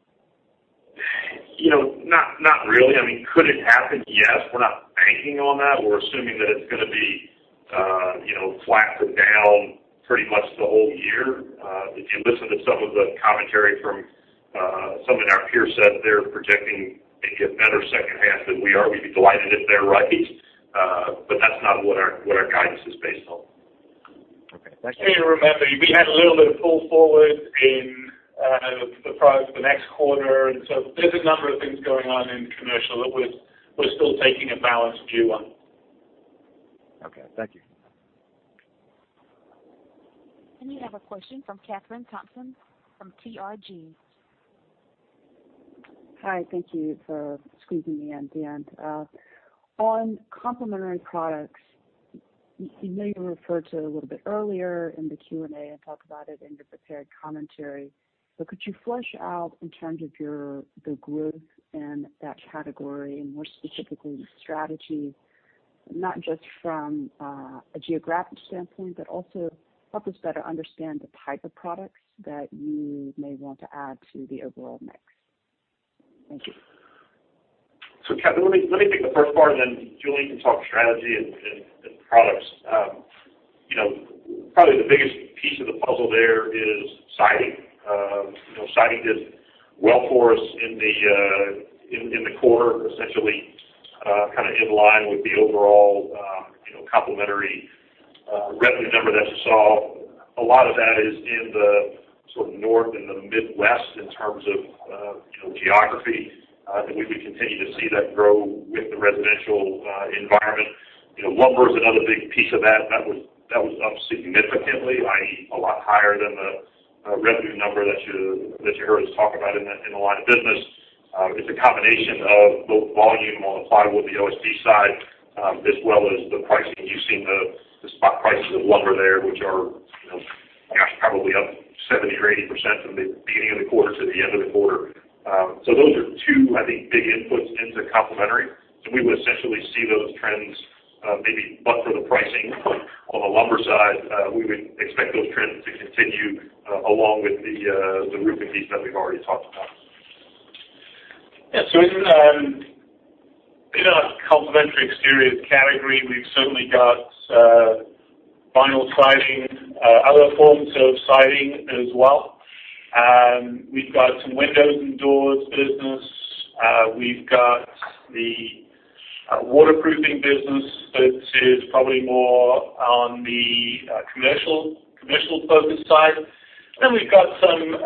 Not really. Could it happen? Yes. We're not banking on that. We're assuming that it's going to be flat to down pretty much the whole year. If you listen to some of the commentary from some of our peer set, they're projecting a better second half than we are. We'd be delighted if they're right. That's not what our guidance is based on. Okay. Thank you. We have a question from Kathryn Thompson from TRG. Hi. Thank you for squeezing me in, Frank, On complementary products, you know you referred to it a little bit earlier in the Q&A and talked about it in your prepared commentary, but could you flesh out in terms of the growth in that category and more specifically the strategy, not just from a geographic standpoint, but also help us better understand the type of products that you may want to add to the overall mix. Thank you. Kathryn, let me take the first part, and then Julian can talk strategy and products. Probably the biggest piece of the puzzle there is siding. Siding did well for us in the quarter, essentially kind of in line with the overall complementary revenue number that you saw. A lot of that is in the North and the Midwest in terms of geography. I think we could continue to see that grow with the residential environment. Lumber is another big piece of that. That was up significantly, i.e., a lot higher than the revenue number that you heard us talk about in the line of business. It's a combination of both volume on the plywood, the OSB side, as well as the pricing. You've seen the spot prices of lumber there, which are, gosh, probably up 70% or 80% from the beginning of the quarter to the end of the quarter. Those are two, I think, big inputs into complementary. We would essentially see those trends maybe buck for the pricing on the lumber side. We would expect those trends to continue along with the roofing piece that we've already talked about. Yeah. In our complementary exterior category, we've certainly got vinyl siding, other forms of siding as well. We've got some windows and doors business. We've got the waterproofing business that is probably more on the commercial-focused side. We've got some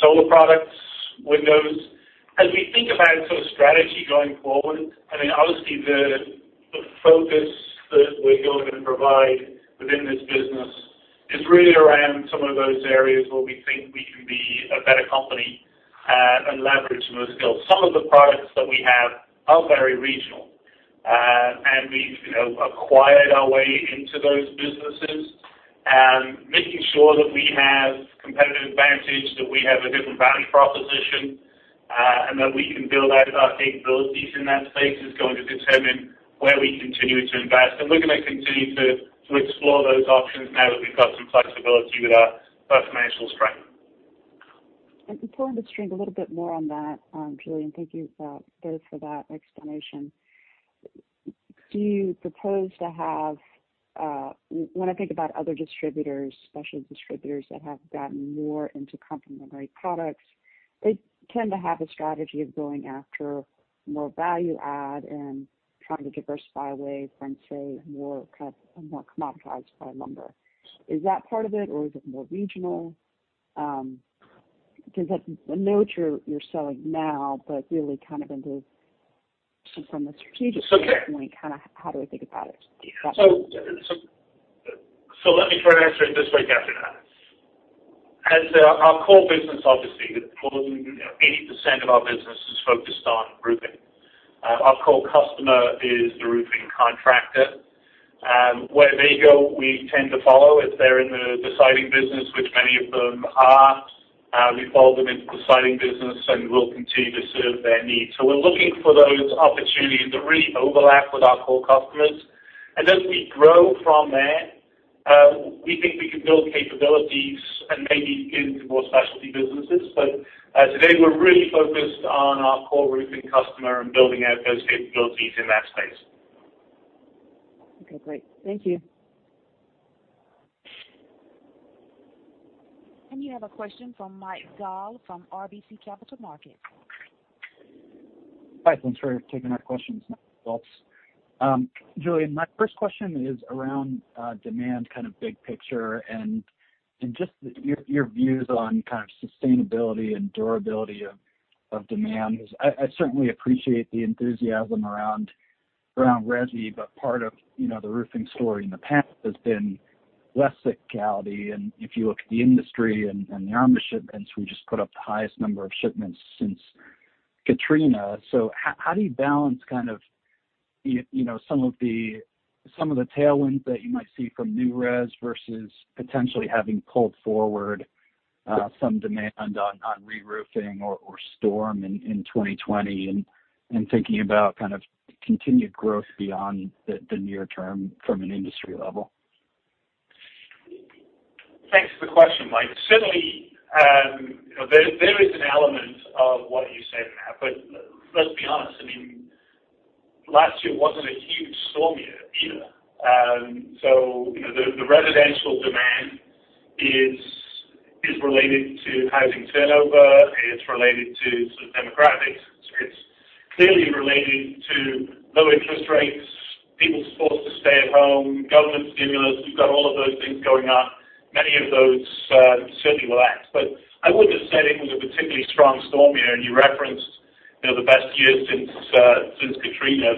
solar products, windows. As we think about strategy going forward, obviously the focus that we're going to provide within this business is really around some of those areas where we think we can be a better company and leverage those skills. Some of the products that we have are very regional, and we've acquired our way into those businesses. Making sure that we have competitive advantage, that we have a different value proposition, and that we can build out our capabilities in that space is going to determine where we continue to invest. We're going to continue to explore those options now that we've got some flexibility with our financial strength. Pulling the string a little bit more on that, Julian, thank you both for that explanation. Do you propose when I think about other distributors, specialty distributors that have gotten more into complementary products, they tend to have a strategy of going after more value add and trying to diversify away from, say, a more commoditized product lumber. Is that part of it, or is it more regional? Because I know what you're selling now, but really into from a strategic standpoint, how do we think about it? Let me try to answer it this way, Kathryn. As our core business, obviously, more than 80% of our business is focused on roofing. Our core customer is the roofing contractor. Where they go, we tend to follow. If they're in the siding business, which many of them are, we follow them into the siding business and we'll continue to serve their needs. We're looking for those opportunities that really overlap with our core customers. As we grow from there, we think we can build capabilities and maybe get into more specialty businesses. Today, we're really focused on our core roofing customer and building out those capabilities in that space. Okay, great. Thank you. You have a question from Mike Dahl from RBC Capital Markets. Hi, thanks for taking our questions. Julian, my first question is around demand, big picture, and just your views on sustainability and durability of demand. I certainly appreciate the enthusiasm around resi, but part of the roofing story in the past has been less cyclicality, and if you look at the industry and the ARMA shipments, we just put up the highest number of shipments since Katrina. How do you balance some of the tailwinds that you might see from new res versus potentially having pulled forward some demand on re-roofing or storm in 2020 and thinking about continued growth beyond the near term from an industry level? Thanks for the question, Mike. Certainly, there is an element of what you say there, let's be honest, last year wasn't a huge storm year either. The residential demand is related to housing turnover, it's related to demographics. It's clearly related to low interest rates, people forced to stay at home, government stimulus. You've got all of those things going on. Many of those certainly will last. I wouldn't have said it was a particularly strong storm year, and you referenced the best year since Katrina.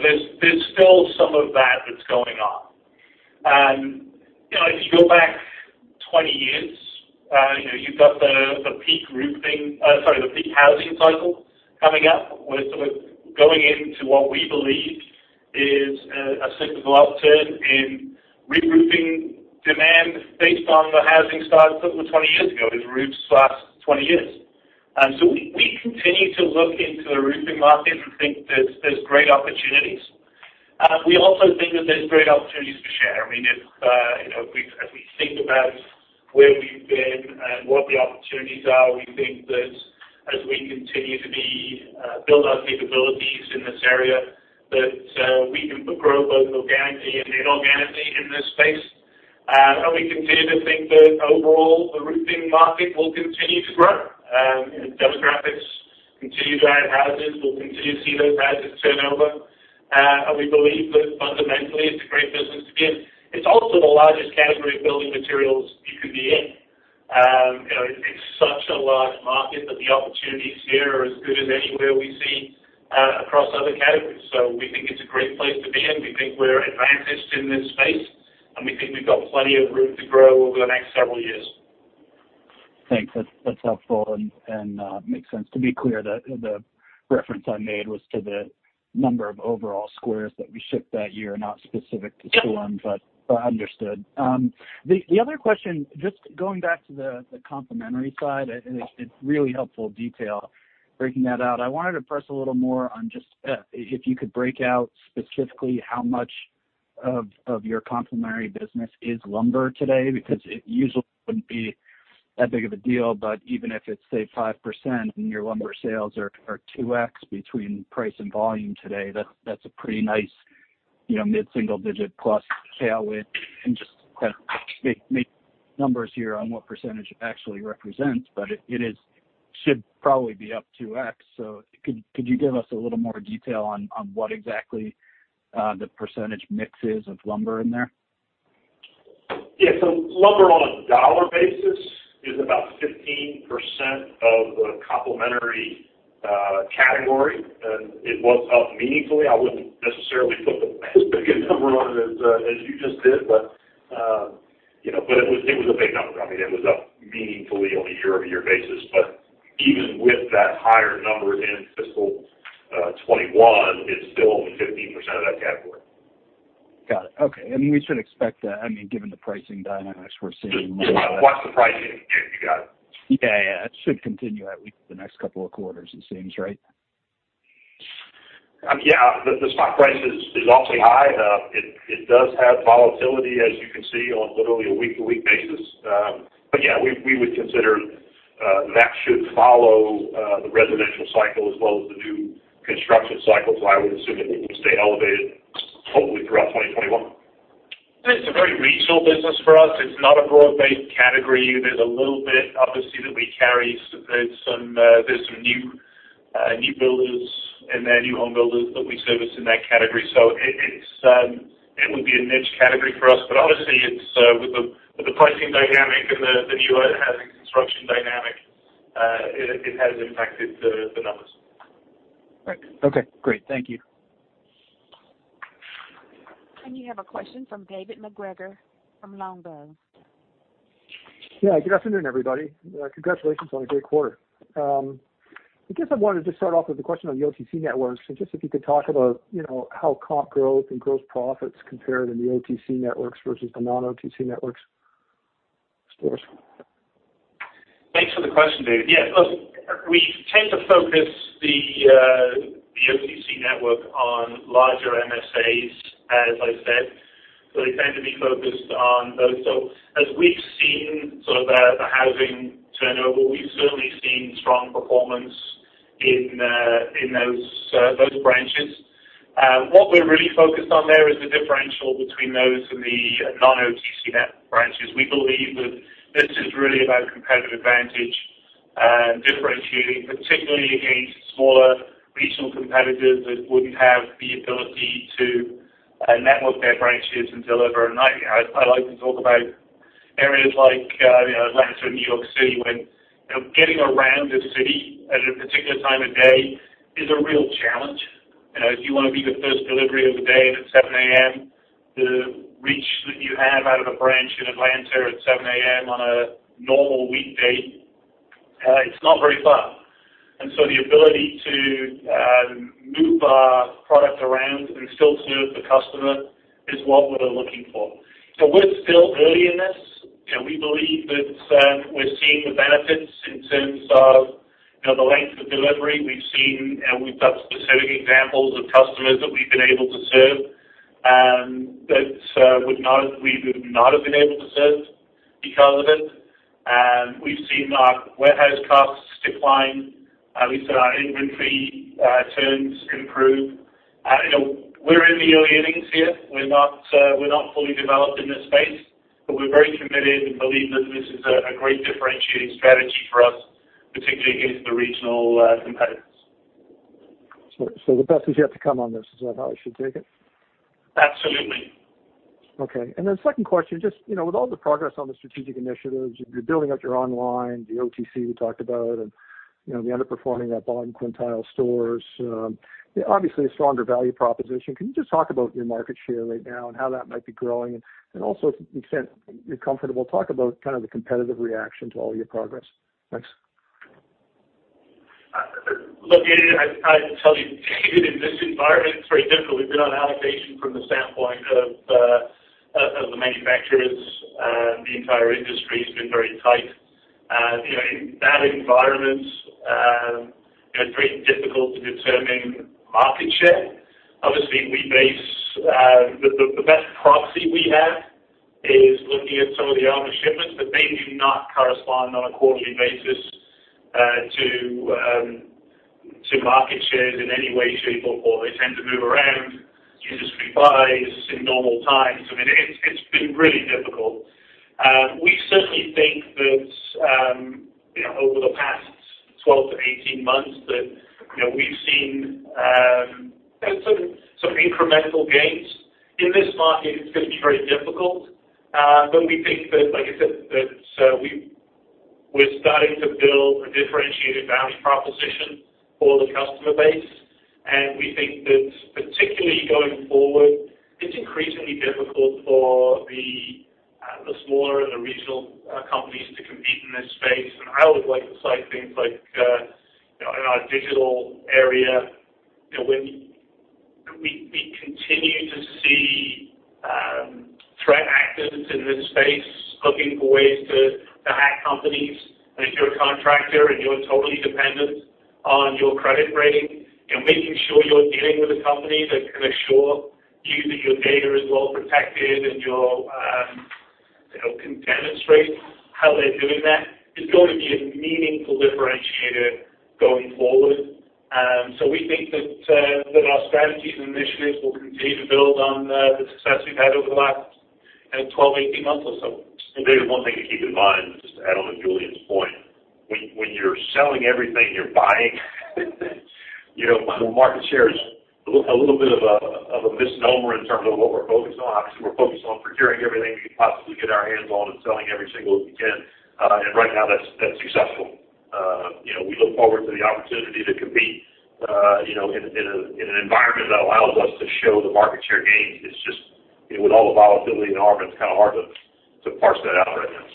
There's still some of that that's going on. If you go back 20 years, you've got the peak housing cycle coming up. We're going into what we believe is a cyclical upturn in re-roofing demand based on the housing starts that were 20 years ago. Those roofs last 20 years. We continue to look into the roofing market and think there's great opportunities. We also think that there's great opportunities for share. As we think about where we've been and what the opportunities are, we think that as we continue to build our capabilities in this area, that we can grow both organically and inorganically in this space. We continue to think that overall, the roofing market will continue to grow. Demographics continue to drive houses. We'll continue to see those houses turn over. We believe that fundamentally, it's a great business to be in. It's also the largest category of building materials you could be in. It's such a large market that the opportunities here are as good as anywhere we see across other categories. We think it's a great place to be in. We think we're advantaged in this space, and we think we've got plenty of room to grow over the next several years. Thanks. That's helpful and makes sense. To be clear, the reference I made was to the number of overall squares that we shipped that year, not specific to storm. Yeah. Understood. The other question, just going back to the complementary side, it's really helpful detail breaking that out. I wanted to press a little more on just if you could break out specifically how much of your complementary business is lumber today, because it usually wouldn't be that big of a deal, but even if it's, say, 5% and your lumber sales are 2X between price and volume today, that's a pretty nice mid-single digit plus tailwind. Just make numbers here on what percentage it actually represents, but it should probably be up 2X. Could you give us a little more detail on what exactly the percentage mix is of lumber in there? Yeah. Lumber on a dollar basis is about 15% of the complementary category. It was up meaningfully. I wouldn't necessarily put as big a number on it as you just did. It was a big number. It was up meaningfully on a year-over-year basis. Even with that higher number in fiscal 2021, it's still only 15% of that category. Got it. Okay. We should expect that, given the pricing dynamics we're seeing more of that. Watch the pricing. Yeah, you got it. Yeah. It should continue at least the next couple of quarters, it seems, right? Yeah. The spot price is awfully high. It does have volatility, as you can see, on literally a week-to-week basis. Yeah, we would consider that should follow the residential cycle as well as the new construction cycle. I would assume that it will stay elevated hopefully throughout 2021. It's a very regional business for us. It's not a broad-based category. There's a little bit, obviously, that we carry. There's some new builders in there, new home builders that we service in that category. It would be a niche category for us. Obviously, with the pricing dynamic and the new housing construction dynamic, it has impacted the numbers. Right. Okay, great. Thank you. You have a question from David MacGregor from Longbow. Good afternoon, everybody. Congratulations on a great quarter. I guess I wanted to start off with a question on the OTC networks and just if you could talk about how comp growth and gross profits compare in the OTC networks versus the non-OTC networks stores. Thanks for the question, David. Look, we tend to focus the OTC network on larger MSAs, as I said. They tend to be focused on those. As we've seen the housing turnover, we've certainly seen strong performance in those branches. What we're really focused on there is the differential between those and the non-OTC net branches. We believe that this is really about competitive advantage and differentiating, particularly against smaller regional competitors that wouldn't have the ability to network their branches and deliver. I like to talk about areas like Atlanta and New York City, when getting around a city at a particular time of day is a real challenge. If you want to be the first delivery of the day and it's 7:00 A.M., the reach that you have out of a branch in Atlanta at 7:00 A.M. on a normal weekday, it's not very far. The ability to move our product around and still serve the customer is what we're looking for. We're still early in this, and we believe that we're seeing the benefits in terms of the length of delivery. We've got specific examples of customers that we've been able to serve that we would not have been able to serve because of it. We've seen our warehouse costs decline. We've seen our inventory turns improve. We're in the early innings here. We're not fully developed in this space, but we're very committed and believe that this is a great differentiating strategy for us, particularly against the regional competitors. The best is yet to come on this. Is that how I should take it? Absolutely. Okay. Second question, just with all the progress on the strategic initiatives, you're building up your online, the OTC we talked about, and the underperforming, that bottom quintile stores, obviously a stronger value proposition. Can you just talk about your market share right now and how that might be growing? To the extent you're comfortable, talk about the competitive reaction to all your progress. Thanks. David, I'd probably tell you in this environment, it's very difficult. We've been on allocation from the standpoint of the manufacturers. The entire industry has been very tight. In that environment, it's very difficult to determine market share. The best proxy we have is looking at some of the ARMA shipments, they do not correspond on a quarterly basis to market shares in any way, shape, or form. They tend to move around. Industry buys in normal times. It's been really difficult. We certainly think that over the past 12 to 18 months that we've seen some incremental gains. In this market, it's going to be very difficult. We think that, like I said, that we're starting to build a differentiated value proposition for the customer base. We think that particularly going forward, it's increasingly difficult for the smaller and the regional companies to compete in this space. I would like to cite things like in our digital area, we continue to see threat actors in this space looking for ways to hack companies. If you're a contractor and you're totally dependent on your credit rating, making sure you're dealing with a company that can assure you that your data is well protected and can demonstrate how they're doing that is going to be a meaningful differentiator going forward. We think that our strategies and initiatives will continue to build on the success we've had over the last 12, 18 months or so. David, one thing to keep in mind, just to add on to Julian's point, when you're selling everything you're buying, market share is a little bit of a misnomer in terms of what we're focused on. Obviously, we're focused on procuring everything we can possibly get our hands on and selling every single that we can. Right now, that's successful. We look forward to the opportunity to compete in an environment that allows us to show the market share gains. It's just with all the volatility in the ARMA, it's kind of hard to parse that out right now.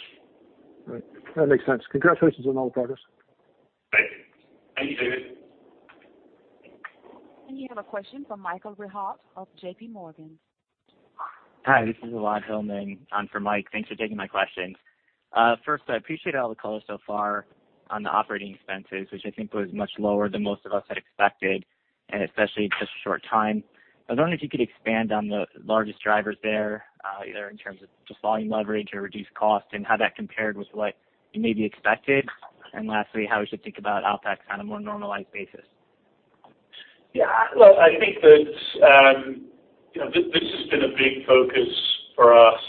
Right. That makes sense. Congratulations on all the progress. Thank you. Thank you, David. You have a question from Michael Rehaut of JPMorgan. Hi, this is Elad Hillman in for Mike. Thanks for taking my questions. First, I appreciate all the color so far on the operating expenses, which I think was much lower than most of us had expected, and especially in such a short time. I was wondering if you could expand on the largest drivers there, either in terms of just volume leverage or reduced cost and how that compared with what you maybe expected. Lastly, how we should think about OPEX on a more normalized basis. Yeah. Look, I think that this has been a big focus for us,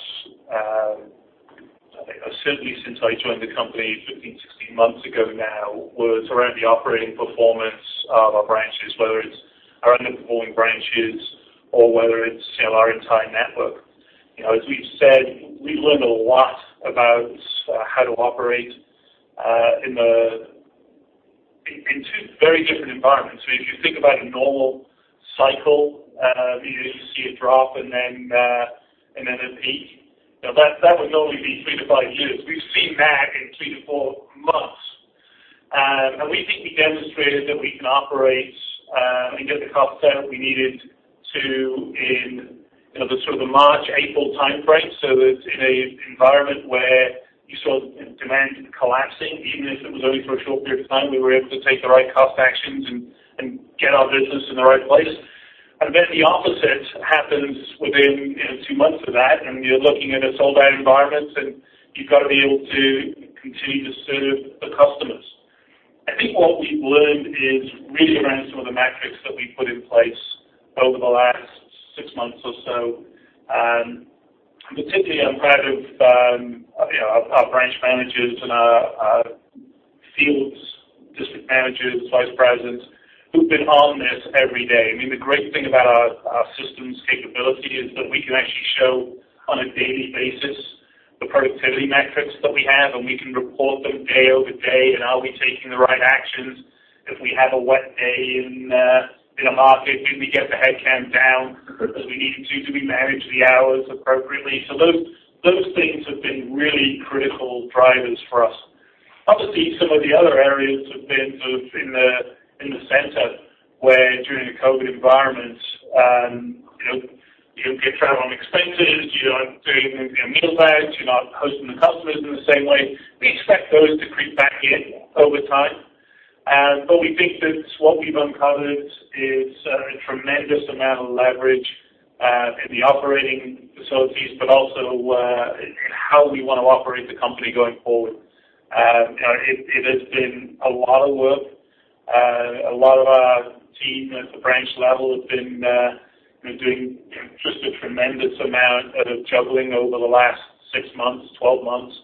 certainly since I joined the company 15, 16 months ago now, was around the operating performance of our branches, whether it's our underperforming branches or whether it's our entire network. As we've said, we learned a lot about how to operate in the very different environment. If you think about a normal cycle, you see a drop and then a peak. That would normally be 3-5 years. We've seen that in 3-4 months. We think we demonstrated that we can operate and get the cost out we needed to in the sort of March, April timeframe. In an environment where you saw demand collapsing, even if it was only for a short period of time, we were able to take the right cost actions and get our business in the right place. The opposite happens within 2 months of that, and you're looking at a sold-out environment, and you've got to be able to continue to serve the customers. I think what we've learned is really around some of the metrics that we put in place over the last six months or so. Particularly, I'm proud of our branch managers and our field district managers, vice presidents, who've been on this every day. The great thing about our systems capability is that we can actually show on a daily basis the productivity metrics that we have, and we can report them day over day. Are we taking the right actions? If we have a wet day in a market, did we get the head count down as we needed to? Do we manage the hours appropriately? Those things have been really critical drivers for us. Obviously, some of the other areas have been sort of in the center, where during the COVID environment you don't get travel and expenses, you're not doing meal bags, you're not hosting the customers in the same way. We expect those to creep back in over time. We think that what we've uncovered is a tremendous amount of leverage in the operating facilities, but also in how we want to operate the company going forward. It has been a lot of work. A lot of our team at the branch level have been doing just a tremendous amount of juggling over the last six months, 12 months,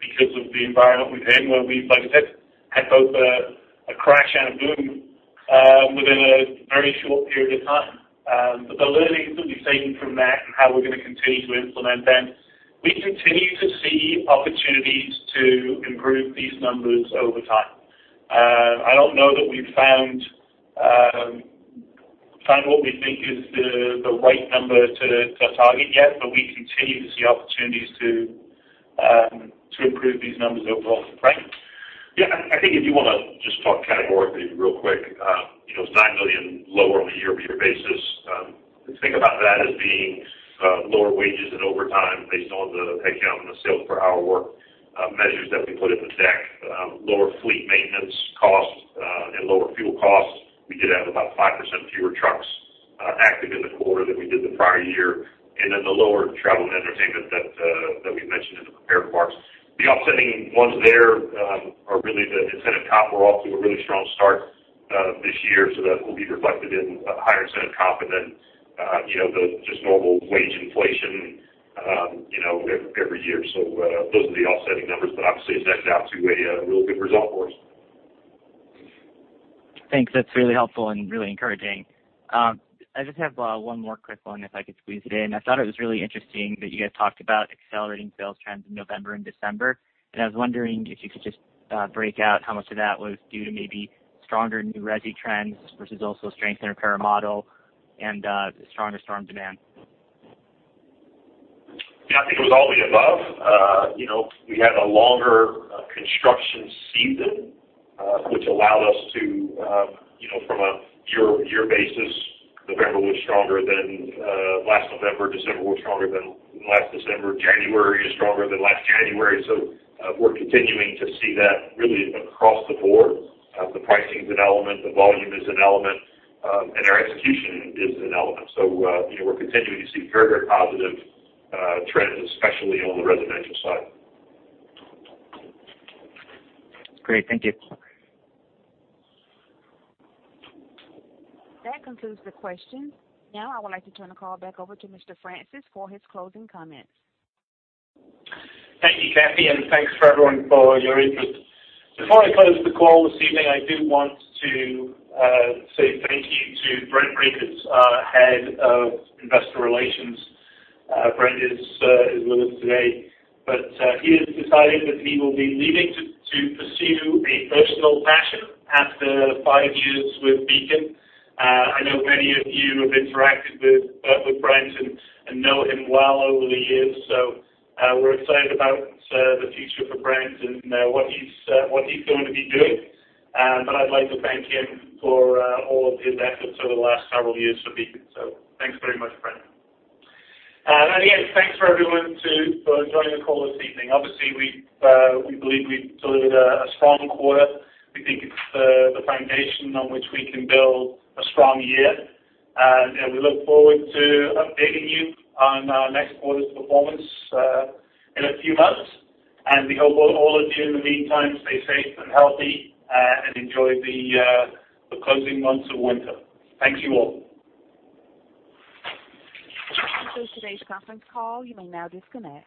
because of the environment we've been in where we, like I said, had both a crash and a boom within a very short period of time. The learnings that we've taken from that and how we're going to continue to implement them, we continue to see opportunities to improve these numbers over time. I don't know that we've found what we think is the right number to target yet, but we continue to see opportunities to improve these numbers overall. Frank? Yeah, I think if you want to just talk categorically real quick. It's $9 million lower on a year-over-year basis. Think about that as being lower wages and overtime based on the headcount and the sales per hour work measures that we put in the deck. Lower fleet maintenance costs and lower fuel costs. We did have about 5% fewer trucks active in the quarter than we did the prior year. The lower travel and entertainment that we mentioned in the prepared remarks. The offsetting ones there are really the incentive comp. We're off to a really strong start this year, so that will be reflected in a higher incentive comp. The just normal wage inflation every year. Those are the offsetting numbers that obviously have netted out to a real good result for us. Thanks. That's really helpful and really encouraging. I just have one more quick one if I could squeeze it in. I thought it was really interesting that you guys talked about accelerating sales trends in November and December, and I was wondering if you could just break out how much of that was due to maybe stronger new resi trends versus also strength in repair model and stronger storm demand. Yeah, I think it was all the above. We had a longer construction season, which allowed us to, from a year-over-year basis, November was stronger than last November. December was stronger than last December. January is stronger than last January. We're continuing to see that really across the board. The pricing is an element, the volume is an element, and our execution is an element. We're continuing to see very positive trends, especially on the residential side. Great. Thank you. That concludes the questions. Now I would like to turn the call back over to Mr. Francis for his closing comments. Thank you, Kathy, and thanks for everyone for your interest. Before I close the call this evening, I do want to say thank you to Brent Rakers, our Head of Investor Relations. Brent is with us today, but he has decided that he will be leaving to pursue a personal passion after five years with Beacon. I know many of you have interacted with Brent and know him well over the years, so we're excited about the future for Brent and what he's going to be doing. I'd like to thank him for all of his efforts over the last several years for Beacon. Thanks very much, Brent. Again, thanks for everyone for joining the call this evening. Obviously, we believe we've delivered a strong quarter. We think it's the foundation on which we can build a strong year. We look forward to updating you on our next quarter's performance in a few months. We hope all of you in the meantime stay safe and healthy and enjoy the closing months of winter. Thank you all. That concludes today's conference call. You may now disconnect.